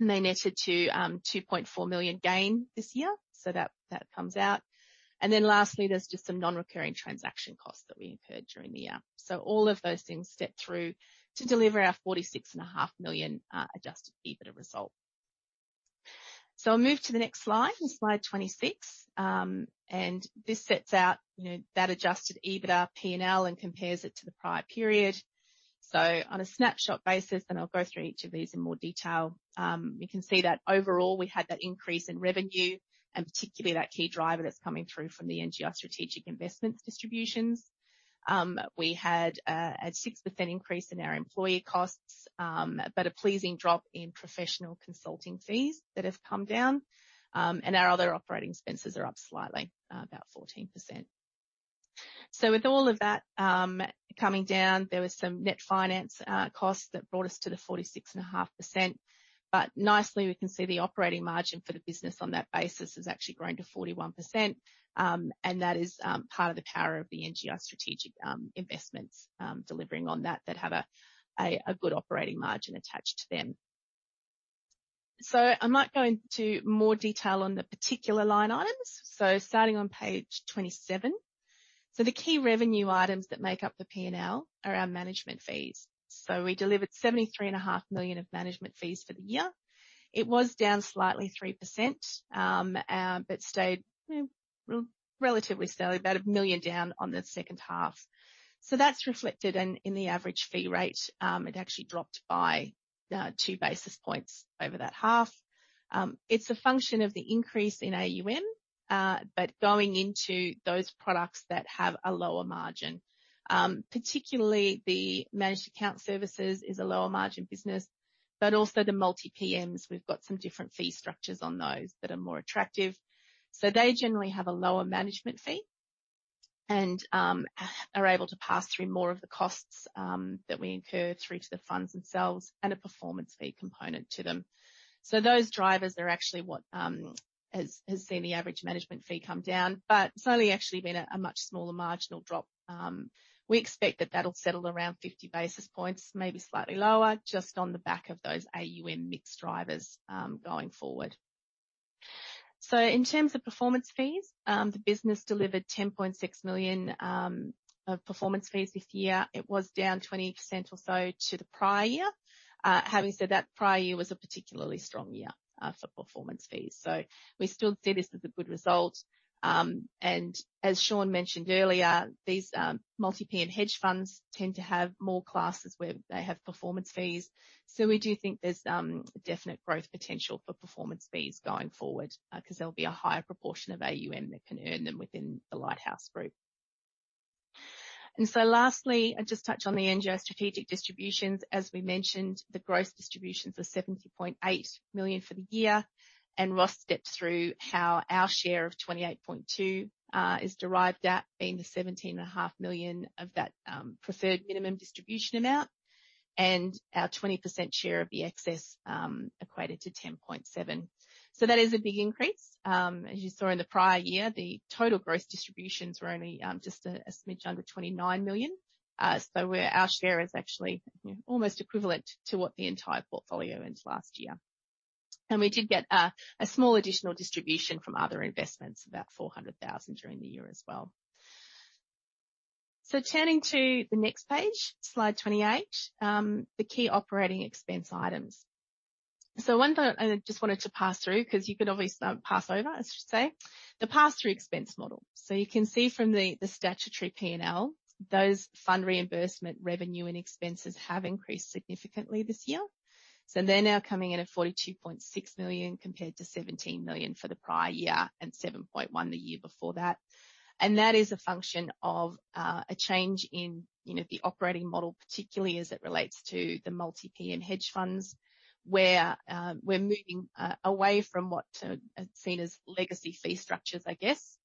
and they netted to 2.4 million gain this year. That comes out. Then lastly, there's just some non-recurring transaction costs that we incurred during the year. All of those things step through to deliver our 46.5 million adjusted EBITDA result. I'll move to the next slide 26. This sets out, you know, that adjusted EBITDA P&L and compares it to the prior period. On a snapshot basis, and I'll go through each of these in more detail, you can see that overall we had that increase in revenue, and particularly that key driver that's coming through from the NGI Strategic Investments distributions. We had a 6% increase in our employee costs, but a pleasing drop in professional consulting fees that have come down. Our other operating expenses are up slightly, about 14%. With all of that coming down, there was some net finance costs that brought us to the 46.5%. Nicely, we can see the operating margin for the business on that basis has actually grown to 41%. That is part of the power of the NGI Strategic Investments delivering on that that have a good operating margin attached to them. I might go into more detail on the particular line items. Starting on page 27. The key revenue items that make up the P&L are our management fees. We delivered 73.5 million of management fees for the year. It was down slightly 3%, but stayed, you know, relatively steady, about 1 million down on the second half. That's reflected in the average fee rate. It actually dropped by 2 basis points over that half. It's a function of the increase in AUM, but going into those products that have a lower margin. Particularly the managed account services is a lower margin business, but also the multi-PMs, we've got some different fee structures on those that are more attractive. They generally have a lower management fee and are able to pass through more of the costs that we incur through to the funds themselves and a performance fee component to them. Those drivers are actually what has seen the average management fee come down, but it's only actually been a much smaller marginal drop. We expect that that'll settle around 50 basis points, maybe slightly lower, just on the back of those AUM mix drivers going forward. In terms of performance fees, the business delivered 10.6 million of performance fees this year. It was down 20% or so to the prior year. Having said that, prior year was a particularly strong year for performance fees. We still see this as a good result. As Sean mentioned earlier, these multi-PM hedge funds tend to have more classes where they have performance fees. We do think there's definite growth potential for performance fees going forward, 'cause there'll be a higher proportion of AUM that can earn them within the Lighthouse group. Lastly, I'll just touch on the NGI Strategic distributions. As we mentioned, the gross distributions are 70.8 million for the year, and Ross stepped through how our share of 28.2 million is derived at being the 17.5 million of that preferred minimum distribution amount. Our 20% share of the excess equated to 10.7 million. That is a big increase. As you saw in the prior year, the total gross distributions were only just a smidge under 29 million. Our share is actually, you know, almost equivalent to what the entire portfolio earned last year. We did get a small additional distribution from other investments, about 400,000 during the year as well. Turning to the next page, slide 28, the key operating expense items. One thing I just wanted to pass through, 'cause you could obviously pass over, I should say, the pass-through expense model. You can see from the statutory P&L, those fund reimbursement revenue and expenses have increased significantly this year. They're now coming in at 42.6 million compared to 17 million for the prior year and 7.1 million the year before that. That is a function of a change in, you know, the operating model, particularly as it relates to the multi-PM hedge funds, where we're moving away from what is seen as legacy fee structures, I guess,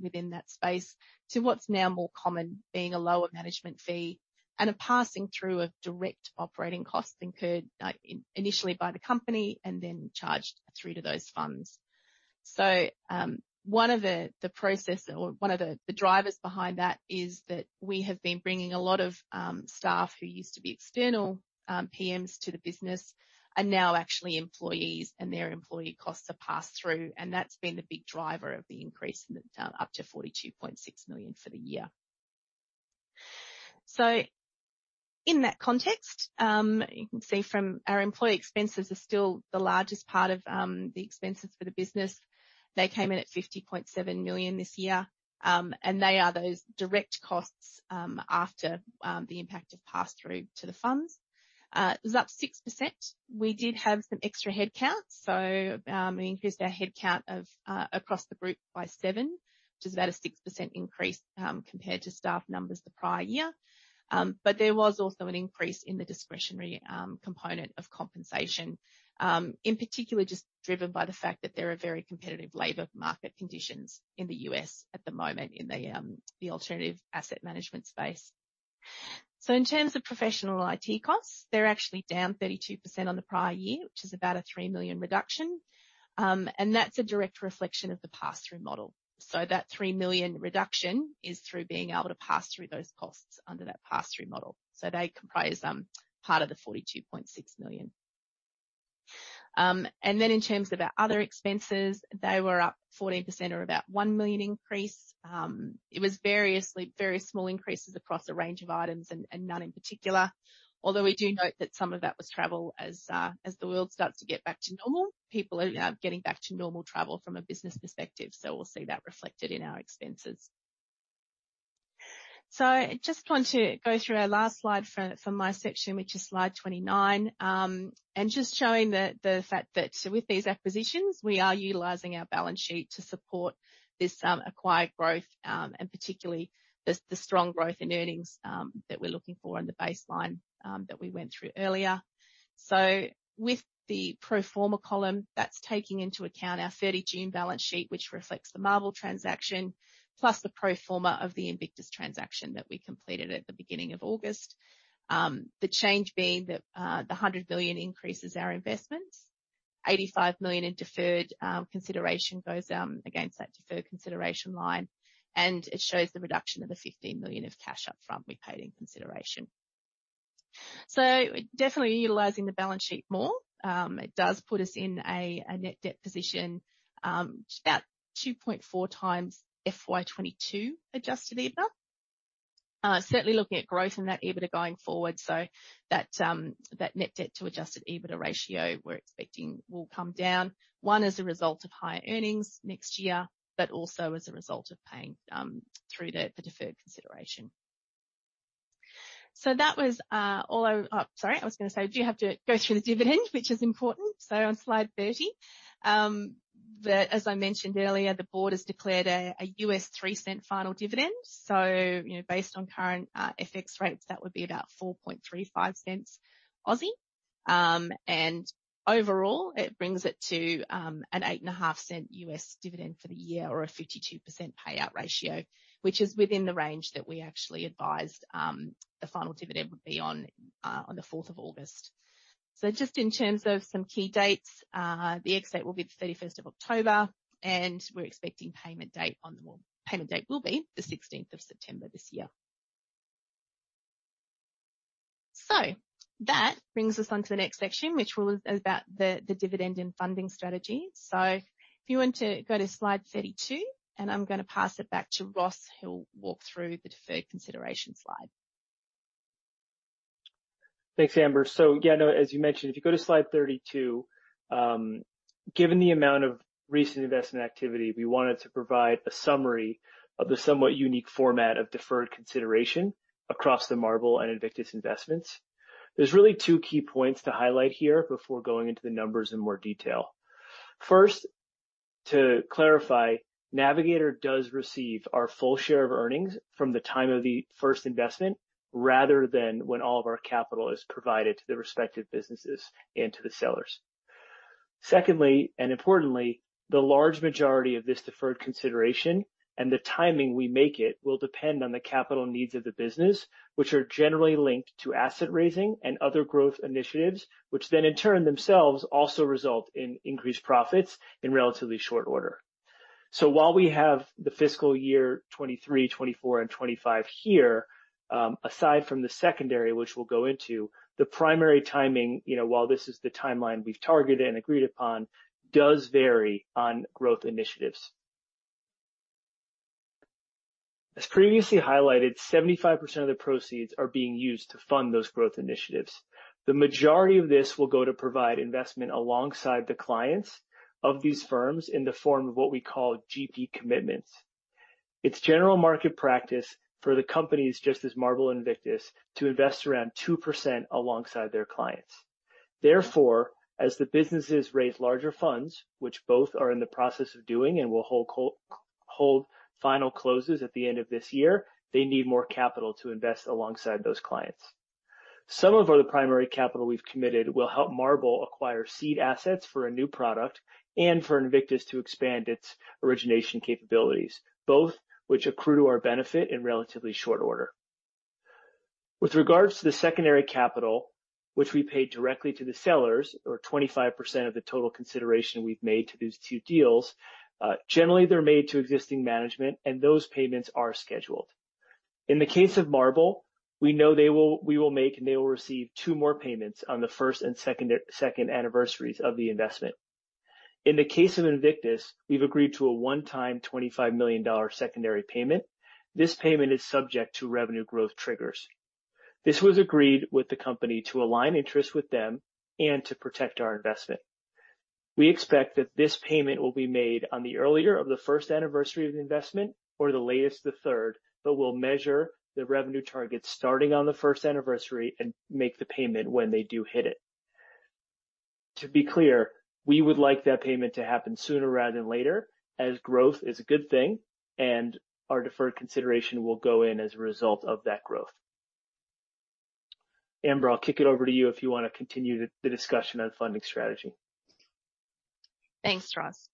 within that space, to what's now more common, being a lower management fee and a passing through of direct operating costs incurred, like, initially by the company and then charged through to those funds. One of the drivers behind that is that we have been bringing a lot of staff who used to be external PMs to the business are now actually employees, and their employee costs are passed through, and that's been the big driver of the increase, up to 42.6 million for the year. In that context, you can see from our employee expenses are still the largest part of the expenses for the business. They came in at 50.7 million this year. They are those direct costs after the impact of pass-through to the funds. It was up 6%. We did have some extra headcount, so we increased our headcount across the group by 7, which is about a 6% increase compared to staff numbers the prior year. There was also an increase in the discretionary component of compensation, in particular, just driven by the fact that there are very competitive labor market conditions in the U.S. at the moment in the alternative asset management space. In terms of professional IT costs, they're actually down 32% on the prior year, which is about a 3 million reduction. And that's a direct reflection of the pass-through model. That 3 million reduction is through being able to pass through those costs under that pass-through model. They comprise part of the 42.6 million. And then in terms of our other expenses, they were up 14% or about a 1 million increase. It was variously very small increases across a range of items and none in particular. Although we do note that some of that was travel. As the world starts to get back to normal, people are now getting back to normal travel from a business perspective, so we'll see that reflected in our expenses. I just want to go through our last slide for my section, which is slide 29. Just showing the fact that with these acquisitions, we are utilizing our balance sheet to support this acquired growth, and particularly the strong growth in earnings that we're looking for in the baseline that we went through earlier. With the pro forma column, that's taking into account our 30 June balance sheet, which reflects the Marble transaction plus the pro forma of the Invictus transaction that we completed at the beginning of August. The change being that the 100 million increases our investments, 85 million in deferred consideration goes against that deferred consideration line, and it shows the reduction of the 15 million of cash up front we paid in consideration. Definitely utilizing the balance sheet more. It does put us in a net debt position about 2.4x FY 2022 adjusted EBITDA. Certainly looking at growth in that EBITDA going forward, that net debt to adjusted EBITDA ratio we're expecting will come down as a result of higher earnings next year, but also as a result of paying through the deferred consideration. That was. Sorry, I was gonna say, I do have to go through the dividend, which is important. On slide 30, as I mentioned earlier, The Board has declared a $0.03 final dividend. You know, based on current FX rates, that would be about 0.0435. Overall, it brings it to an $0.085 dividend for the year or a 52% payout ratio, which is within the range that we actually advised the final dividend would be on the fourth of August. Just in terms of some key dates, the ex-date will be the 31st of October, and the payment date will be the 16th of September this year. That brings us on to the next section, which was about the dividend and funding strategy. If you want to go to slide 32, and I'm gonna pass it back to Ross, who'll walk through the deferred consideration slide. Thanks, Amber. Yeah, no, as you mentioned, if you go to slide 32, given the amount of recent investment activity, we wanted to provide a summary of the somewhat unique format of deferred consideration across the Marble and Invictus investments. There's really two key points to highlight here before going into the numbers in more detail. First, to clarify, Navigator does receive our full share of earnings from the time of the first investment rather than when all of our capital is provided to the respective businesses and to the sellers. Secondly, and importantly, the large majority of this deferred consideration and the timing we make it will depend on the capital needs of the business, which are generally linked to asset raising and other growth initiatives, which then in turn themselves also result in increased profits in relatively short order. While we have the fiscal year 2023, 2024 and 2025 here, aside from the secondary, which we'll go into, the primary timing, you know, while this is the timeline we've targeted and agreed upon, does vary on growth initiatives. As previously highlighted, 75% of the proceeds are being used to fund those growth initiatives. The majority of this will go to provide investment alongside the clients of these firms in the form of what we call GP commitments. It's general market practice for the companies such as Marble and Invictus to invest around 2% alongside their clients. Therefore, as the businesses raise larger funds, which both are in the process of doing and will hold final closes at the end of this year, they need more capital to invest alongside those clients. Some of the primary capital we've committed will help Marble acquire seed assets for a new product and for Invictus to expand its origination capabilities, both which accrue to our benefit in relatively short order. With regards to the secondary capital, which we paid directly to the sellers, or 25% of the total consideration we've made to these two deals, generally they're made to existing management, and those payments are scheduled. In the case of Marble, we know we will make, and they will receive two more payments on the first and second anniversaries of the investment. In the case of Invictus, we've agreed to a one-time $25 million secondary payment. This payment is subject to revenue growth triggers. This was agreed with the company to align interests with them and to protect our investment. We expect that this payment will be made on the earlier of the first anniversary of the investment or the latest the third, but we'll measure the revenue targets starting on the first anniversary and make the payment when they do hit it. To be clear, we would like that payment to happen sooner rather than later, as growth is a good thing, and our deferred consideration will go in as a result of that growth. Amber, I'll kick it over to you if you want to continue the discussion on funding strategy. Thanks, Ross.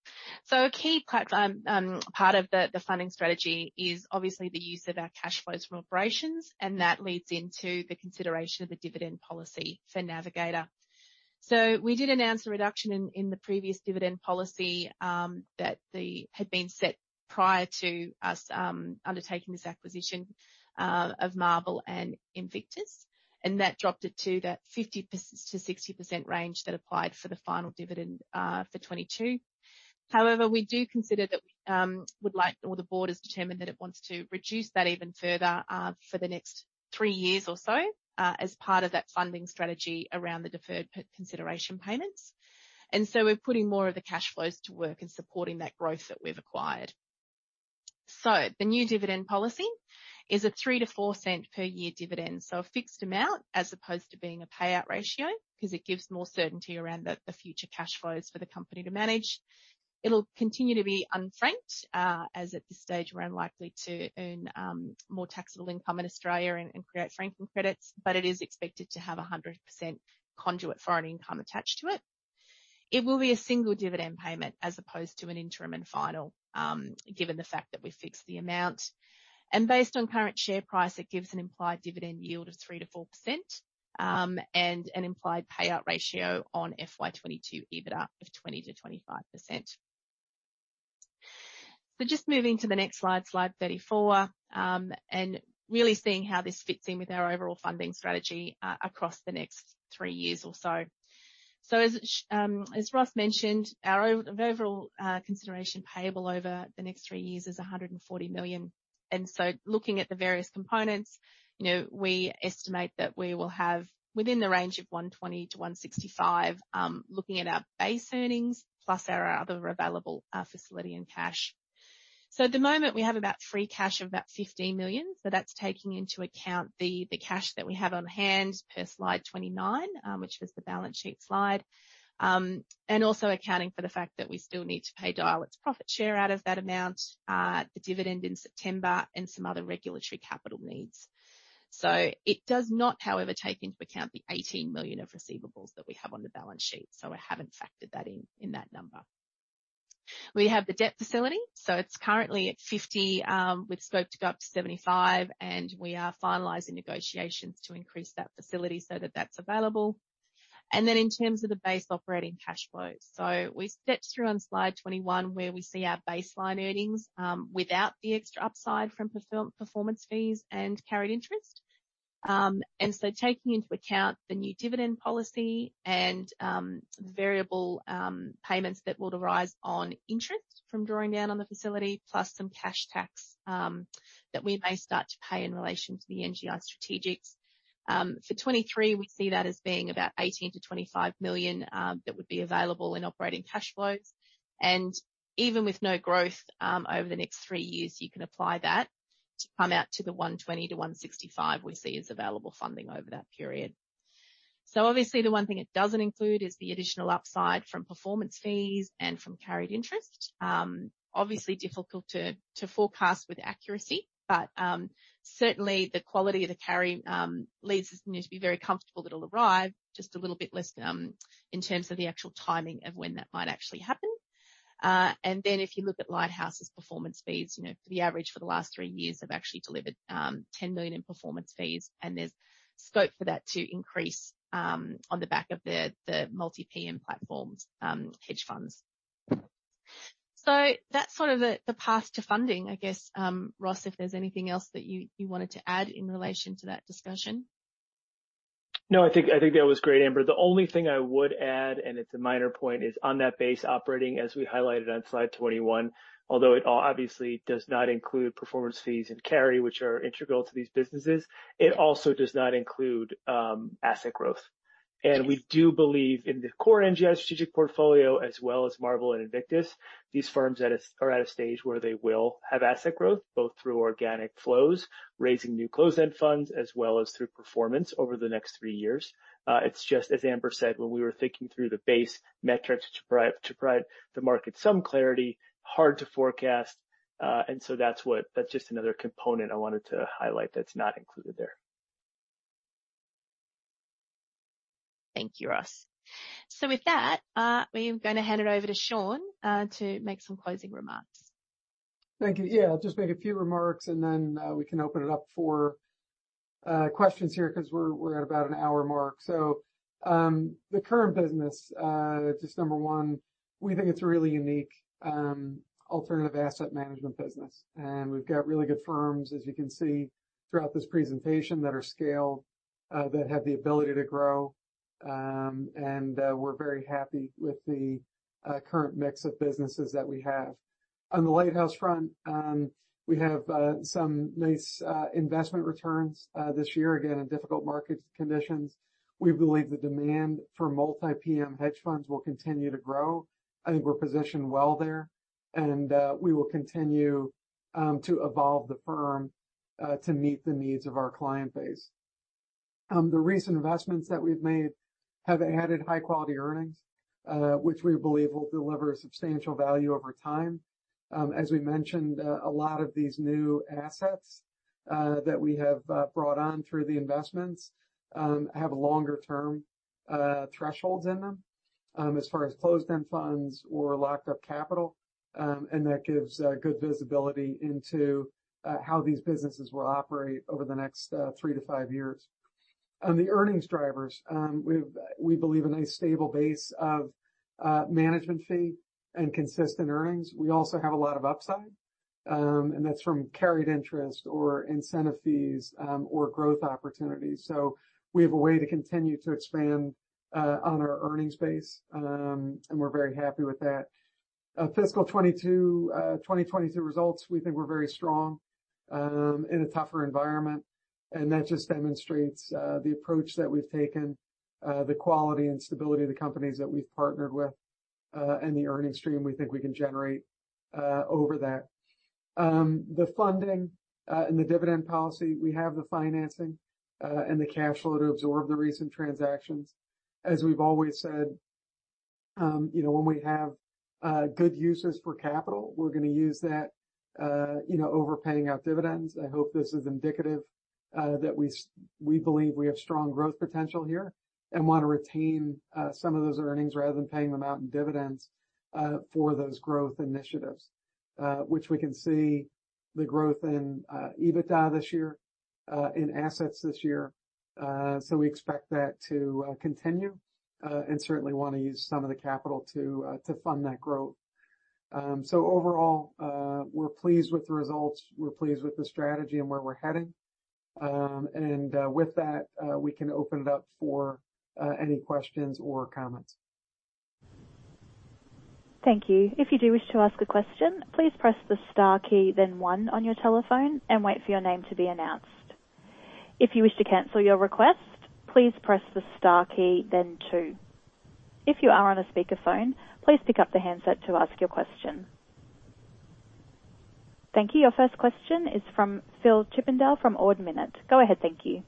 A key part of the funding strategy is obviously the use of our cash flows from operations, and that leads into the consideration of the dividend policy for Navigator. We did announce a reduction in the previous dividend policy that had been set prior to us undertaking this acquisition of Marble and Invictus, and that dropped it to that 50%-60% range that applied for the final dividend for 2022. However, The Board has determined that it wants to reduce that even further for the next three years or so as part of that funding strategy around the deferred consideration payments. We're putting more of the cash flows to work in supporting that growth that we've acquired. The new dividend policy is an 0.03-0.04 per year dividend. A fixed amount as opposed to being a payout ratio because it gives more certainty around the future cash flows for the company to manage. It'll continue to be unfranked, as at this stage, we're unlikely to earn more taxable income in Australia and create franking credits, but it is expected to have 100% conduit foreign income attached to it. It will be a single dividend payment as opposed to an interim and final, given the fact that we fixed the amount. Based on current share price, it gives an implied dividend yield of 3%-4%, and an implied payout ratio on FY 2022 EBITDA of 20%-25%. Just moving to the next slide 34, and really seeing how this fits in with our overall funding strategy across the next three years or so. As Ross mentioned, our overall consideration payable over the next three years is 140 million. Looking at the various components, you know, we estimate that we will have within the range of 120 million-165 million, looking at our base earnings plus our other available facility and cash. At the moment, we have about free cash of about 15 million. That's taking into account the cash that we have on hand per slide 29, which was the balance sheet slide. Also accounting for the fact that we still need to pay Dyal's profit share out of that amount, the dividend in September and some other regulatory capital needs. It does not, however, take into account the 18 million of receivables that we have on the balance sheet. I haven't factored that in that number. We have the debt facility, so it's currently at 50, with scope to go up to 75, and we are finalizing negotiations to increase that facility so that that's available. In terms of the base operating cash flows. We stepped through on slide 21, where we see our baseline earnings without the extra upside from performance fees and carried interest. Taking into account the new dividend policy and variable payments that will arise on interest from drawing down on the facility, plus some cash tax that we may start to pay in relation to the NGI Strategic. For 2023, we see that as being about 18 million-25 million that would be available in operating cash flows. Even with no growth over the next three years, you can apply that to come out to the 120 million-165 million we see as available funding over that period. Obviously, the one thing it doesn't include is the additional upside from performance fees and from carried interest. Obviously difficult to forecast with accuracy, but certainly the quality of the carry leads us, you know, to be very comfortable that it'll arrive just a little bit less in terms of the actual timing of when that might actually happen. If you look at Lighthouse's performance fees, you know, the average for the last three years have actually delivered 10 million in performance fees, and there's scope for that to increase on the back of the multi-PM platforms hedge funds. That's sort of the path to funding, I guess. Ross, if there's anything else that you wanted to add in relation to that discussion. No, I think that was great, Amber. The only thing I would add, and it's a minor point, is on that base operating, as we highlighted on slide 21, although it all obviously does not include performance fees and carry, which are integral to these businesses, it also does not include asset growth. We do believe in the core NGI Strategic Portfolio as well as Marble and Invictus. These firms are at a stage where they will have asset growth both through organic flows, raising new closed-end funds, as well as through performance over the next three years. It's just as Amber said, when we were thinking through the base metrics to provide the market some clarity, hard to forecast. That's just another component I wanted to highlight that's not included there. Thank you, Ross. With that, we are gonna hand it over to Sean, to make some closing remarks. Thank you. Yeah, I'll just make a few remarks and then we can open it up for questions here 'cause we're at about an hour mark. The current business, just number one, we think it's a really unique alternative asset management business, and we've got really good firms, as you can see throughout this presentation, that are scaled, that have the ability to grow. We're very happy with the current mix of businesses that we have. On the Lighthouse front, we have some nice investment returns this year, again, in difficult market conditions. We believe the demand for multi-PM hedge funds will continue to grow. I think we're positioned well there, and we will continue to evolve the firm to meet the needs of our client base. The recent investments that we've made have added high quality earnings, which we believe will deliver substantial value over time. As we mentioned, a lot of these new assets that we have brought on through the investments have longer term thresholds in them, as far as closed-end funds or locked up capital, and that gives good visibility into how these businesses will operate over the next three to five years. On the earnings drivers, we believe a nice stable base of management fee and consistent earnings. We also have a lot of upside, and that's from carried interest or incentive fees or growth opportunities. We have a way to continue to expand on our earnings base, and we're very happy with that. Fiscal 2022 results, we think were very strong, in a tougher environment, and that just demonstrates the approach that we've taken, the quality and stability of the companies that we've partnered with, and the earnings stream we think we can generate over that. The funding and the dividend policy, we have the financing and the cash flow to absorb the recent transactions. As we've always said, you know, when we have good uses for capital, we're gonna use that, you know, over paying out dividends. I hope this is indicative that we believe we have strong growth potential here and wanna retain some of those earnings rather than paying them out in dividends for those growth initiatives which we can see the growth in EBITDA this year in assets this year. We expect that to continue and certainly wanna use some of the capital to fund that growth. Overall, we're pleased with the results. We're pleased with the strategy and where we're heading. With that, we can open it up for any questions or comments. Thank you. If you do wish to ask a question, please press the star key, then one on your telephone and wait for your name to be announced. If you wish to cancel your request, please press the star key, then two. If you are on a speakerphone, please pick up the handset to ask your question. Thank you. Your first question is from Phil Chippindale from Ord Minnett. Go ahead. Thank you.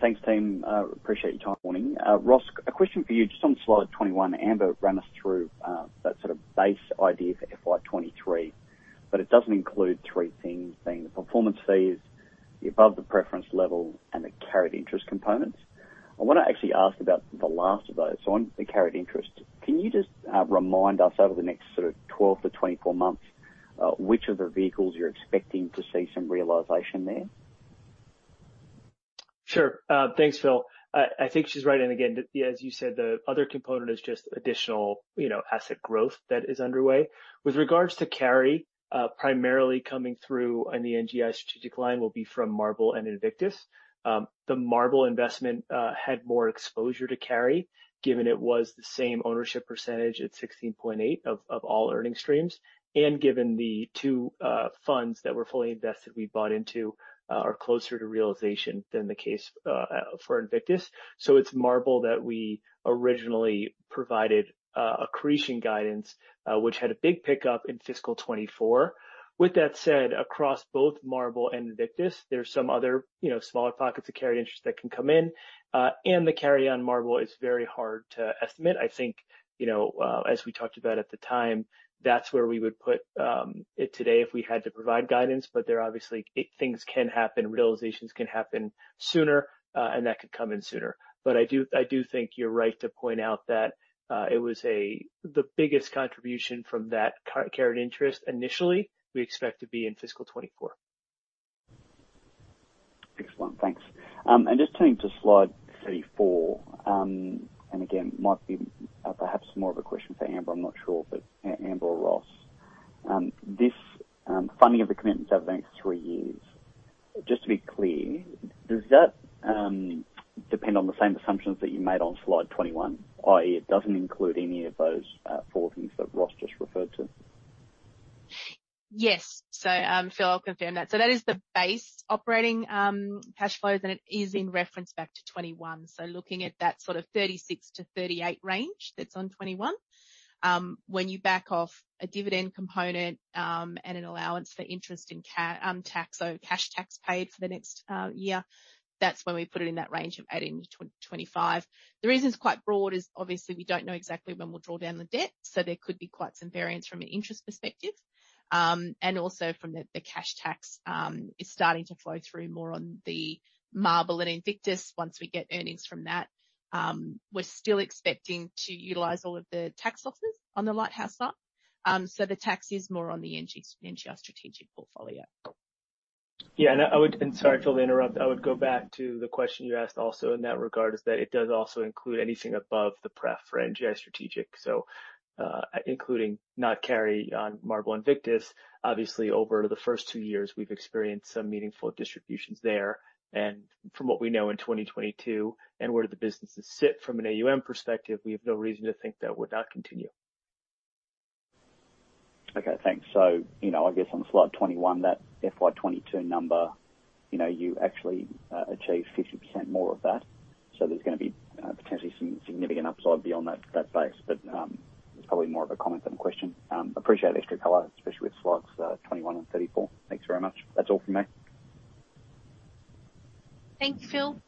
Thanks team. Appreciate your time this morning. Ross, a question for you just on slide 21. Amber ran us through that sort of base idea for FY 2023, but it doesn't include three things, being the performance fees, the above the preference level, and the carried interest components. I wanna actually ask about the last of those. On the carried interest, can you just remind us over the next sort of 12-24 months which of the vehicles you're expecting to see some realization there? Sure. Thanks, Phil. I think she's right. Again, as you said, the other component is just additional, you know, asset growth that is underway. With regards to carry, primarily coming through in the NGI Strategic line will be from Marble and Invictus. The Marble investment had more exposure to carry given it was the same ownership percentage at 16.8 of all earning streams, and given the two funds that were fully invested we bought into are closer to realization than the case for Invictus. It's Marble that we originally provided accretion guidance, which had a big pickup in fiscal 2024. With that said, across both Marble and Invictus, there's some other, you know, smaller pockets of carry interest that can come in. The carry on Marble is very hard to estimate. I think, you know, as we talked about at the time, that's where we would put it today if we had to provide guidance. There are obviously things can happen, realizations can happen sooner, and that could come in sooner. I do think you're right to point out that it was the biggest contribution from that carried interest initially, we expect to be in fiscal 2024. Excellent. Thanks. Just turning to slide 34, and again, might be perhaps more of a question for Amber, I'm not sure. Amber or Ross, this funding of the commitments over the next three years, just to be clear, does that depend on the same assumptions that you made on slide 21, i.e., it doesn't include any of those four things that Ross just referred to? Yes. Phil, I'll confirm that. That is the base operating cash flows, and it is in reference back to 2021. Looking at that sort of 36-38 range that's on 2021, when you back off a dividend component, and an allowance for interest and cash tax paid for the next year, that's when we put it in that range of 18-25. The reason it's quite broad is obviously we don't know exactly when we'll draw down the debt, so there could be quite some variance from an interest perspective. Also, the cash tax is starting to flow through more on the Marble and Invictus once we get earnings from that. We're still expecting to utilize all of the tax offsets on the Lighthouse side. The tax is more on the NG, NGI Strategic Portfolio. Sorry, Phil, to interrupt. I would go back to the question you asked also in that regard, is that it does also include anything above the pref for NGI Strategic. Including net carry on Marble, Invictus, obviously, over the first two years, we've experienced some meaningful distributions there. From what we know in 2022 and where the businesses sit from an AUM perspective, we have no reason to think that would not continue. Okay, thanks. You know, I guess on slide 21, that FY 2022 number, you know, you actually achieved 50% more of that. There's gonna be potentially some significant upside beyond that base. It's probably more of a comment than a question. Appreciate extra color, especially with slides 21 and 34. Thanks very much. That's all from me. Thank you, Phil.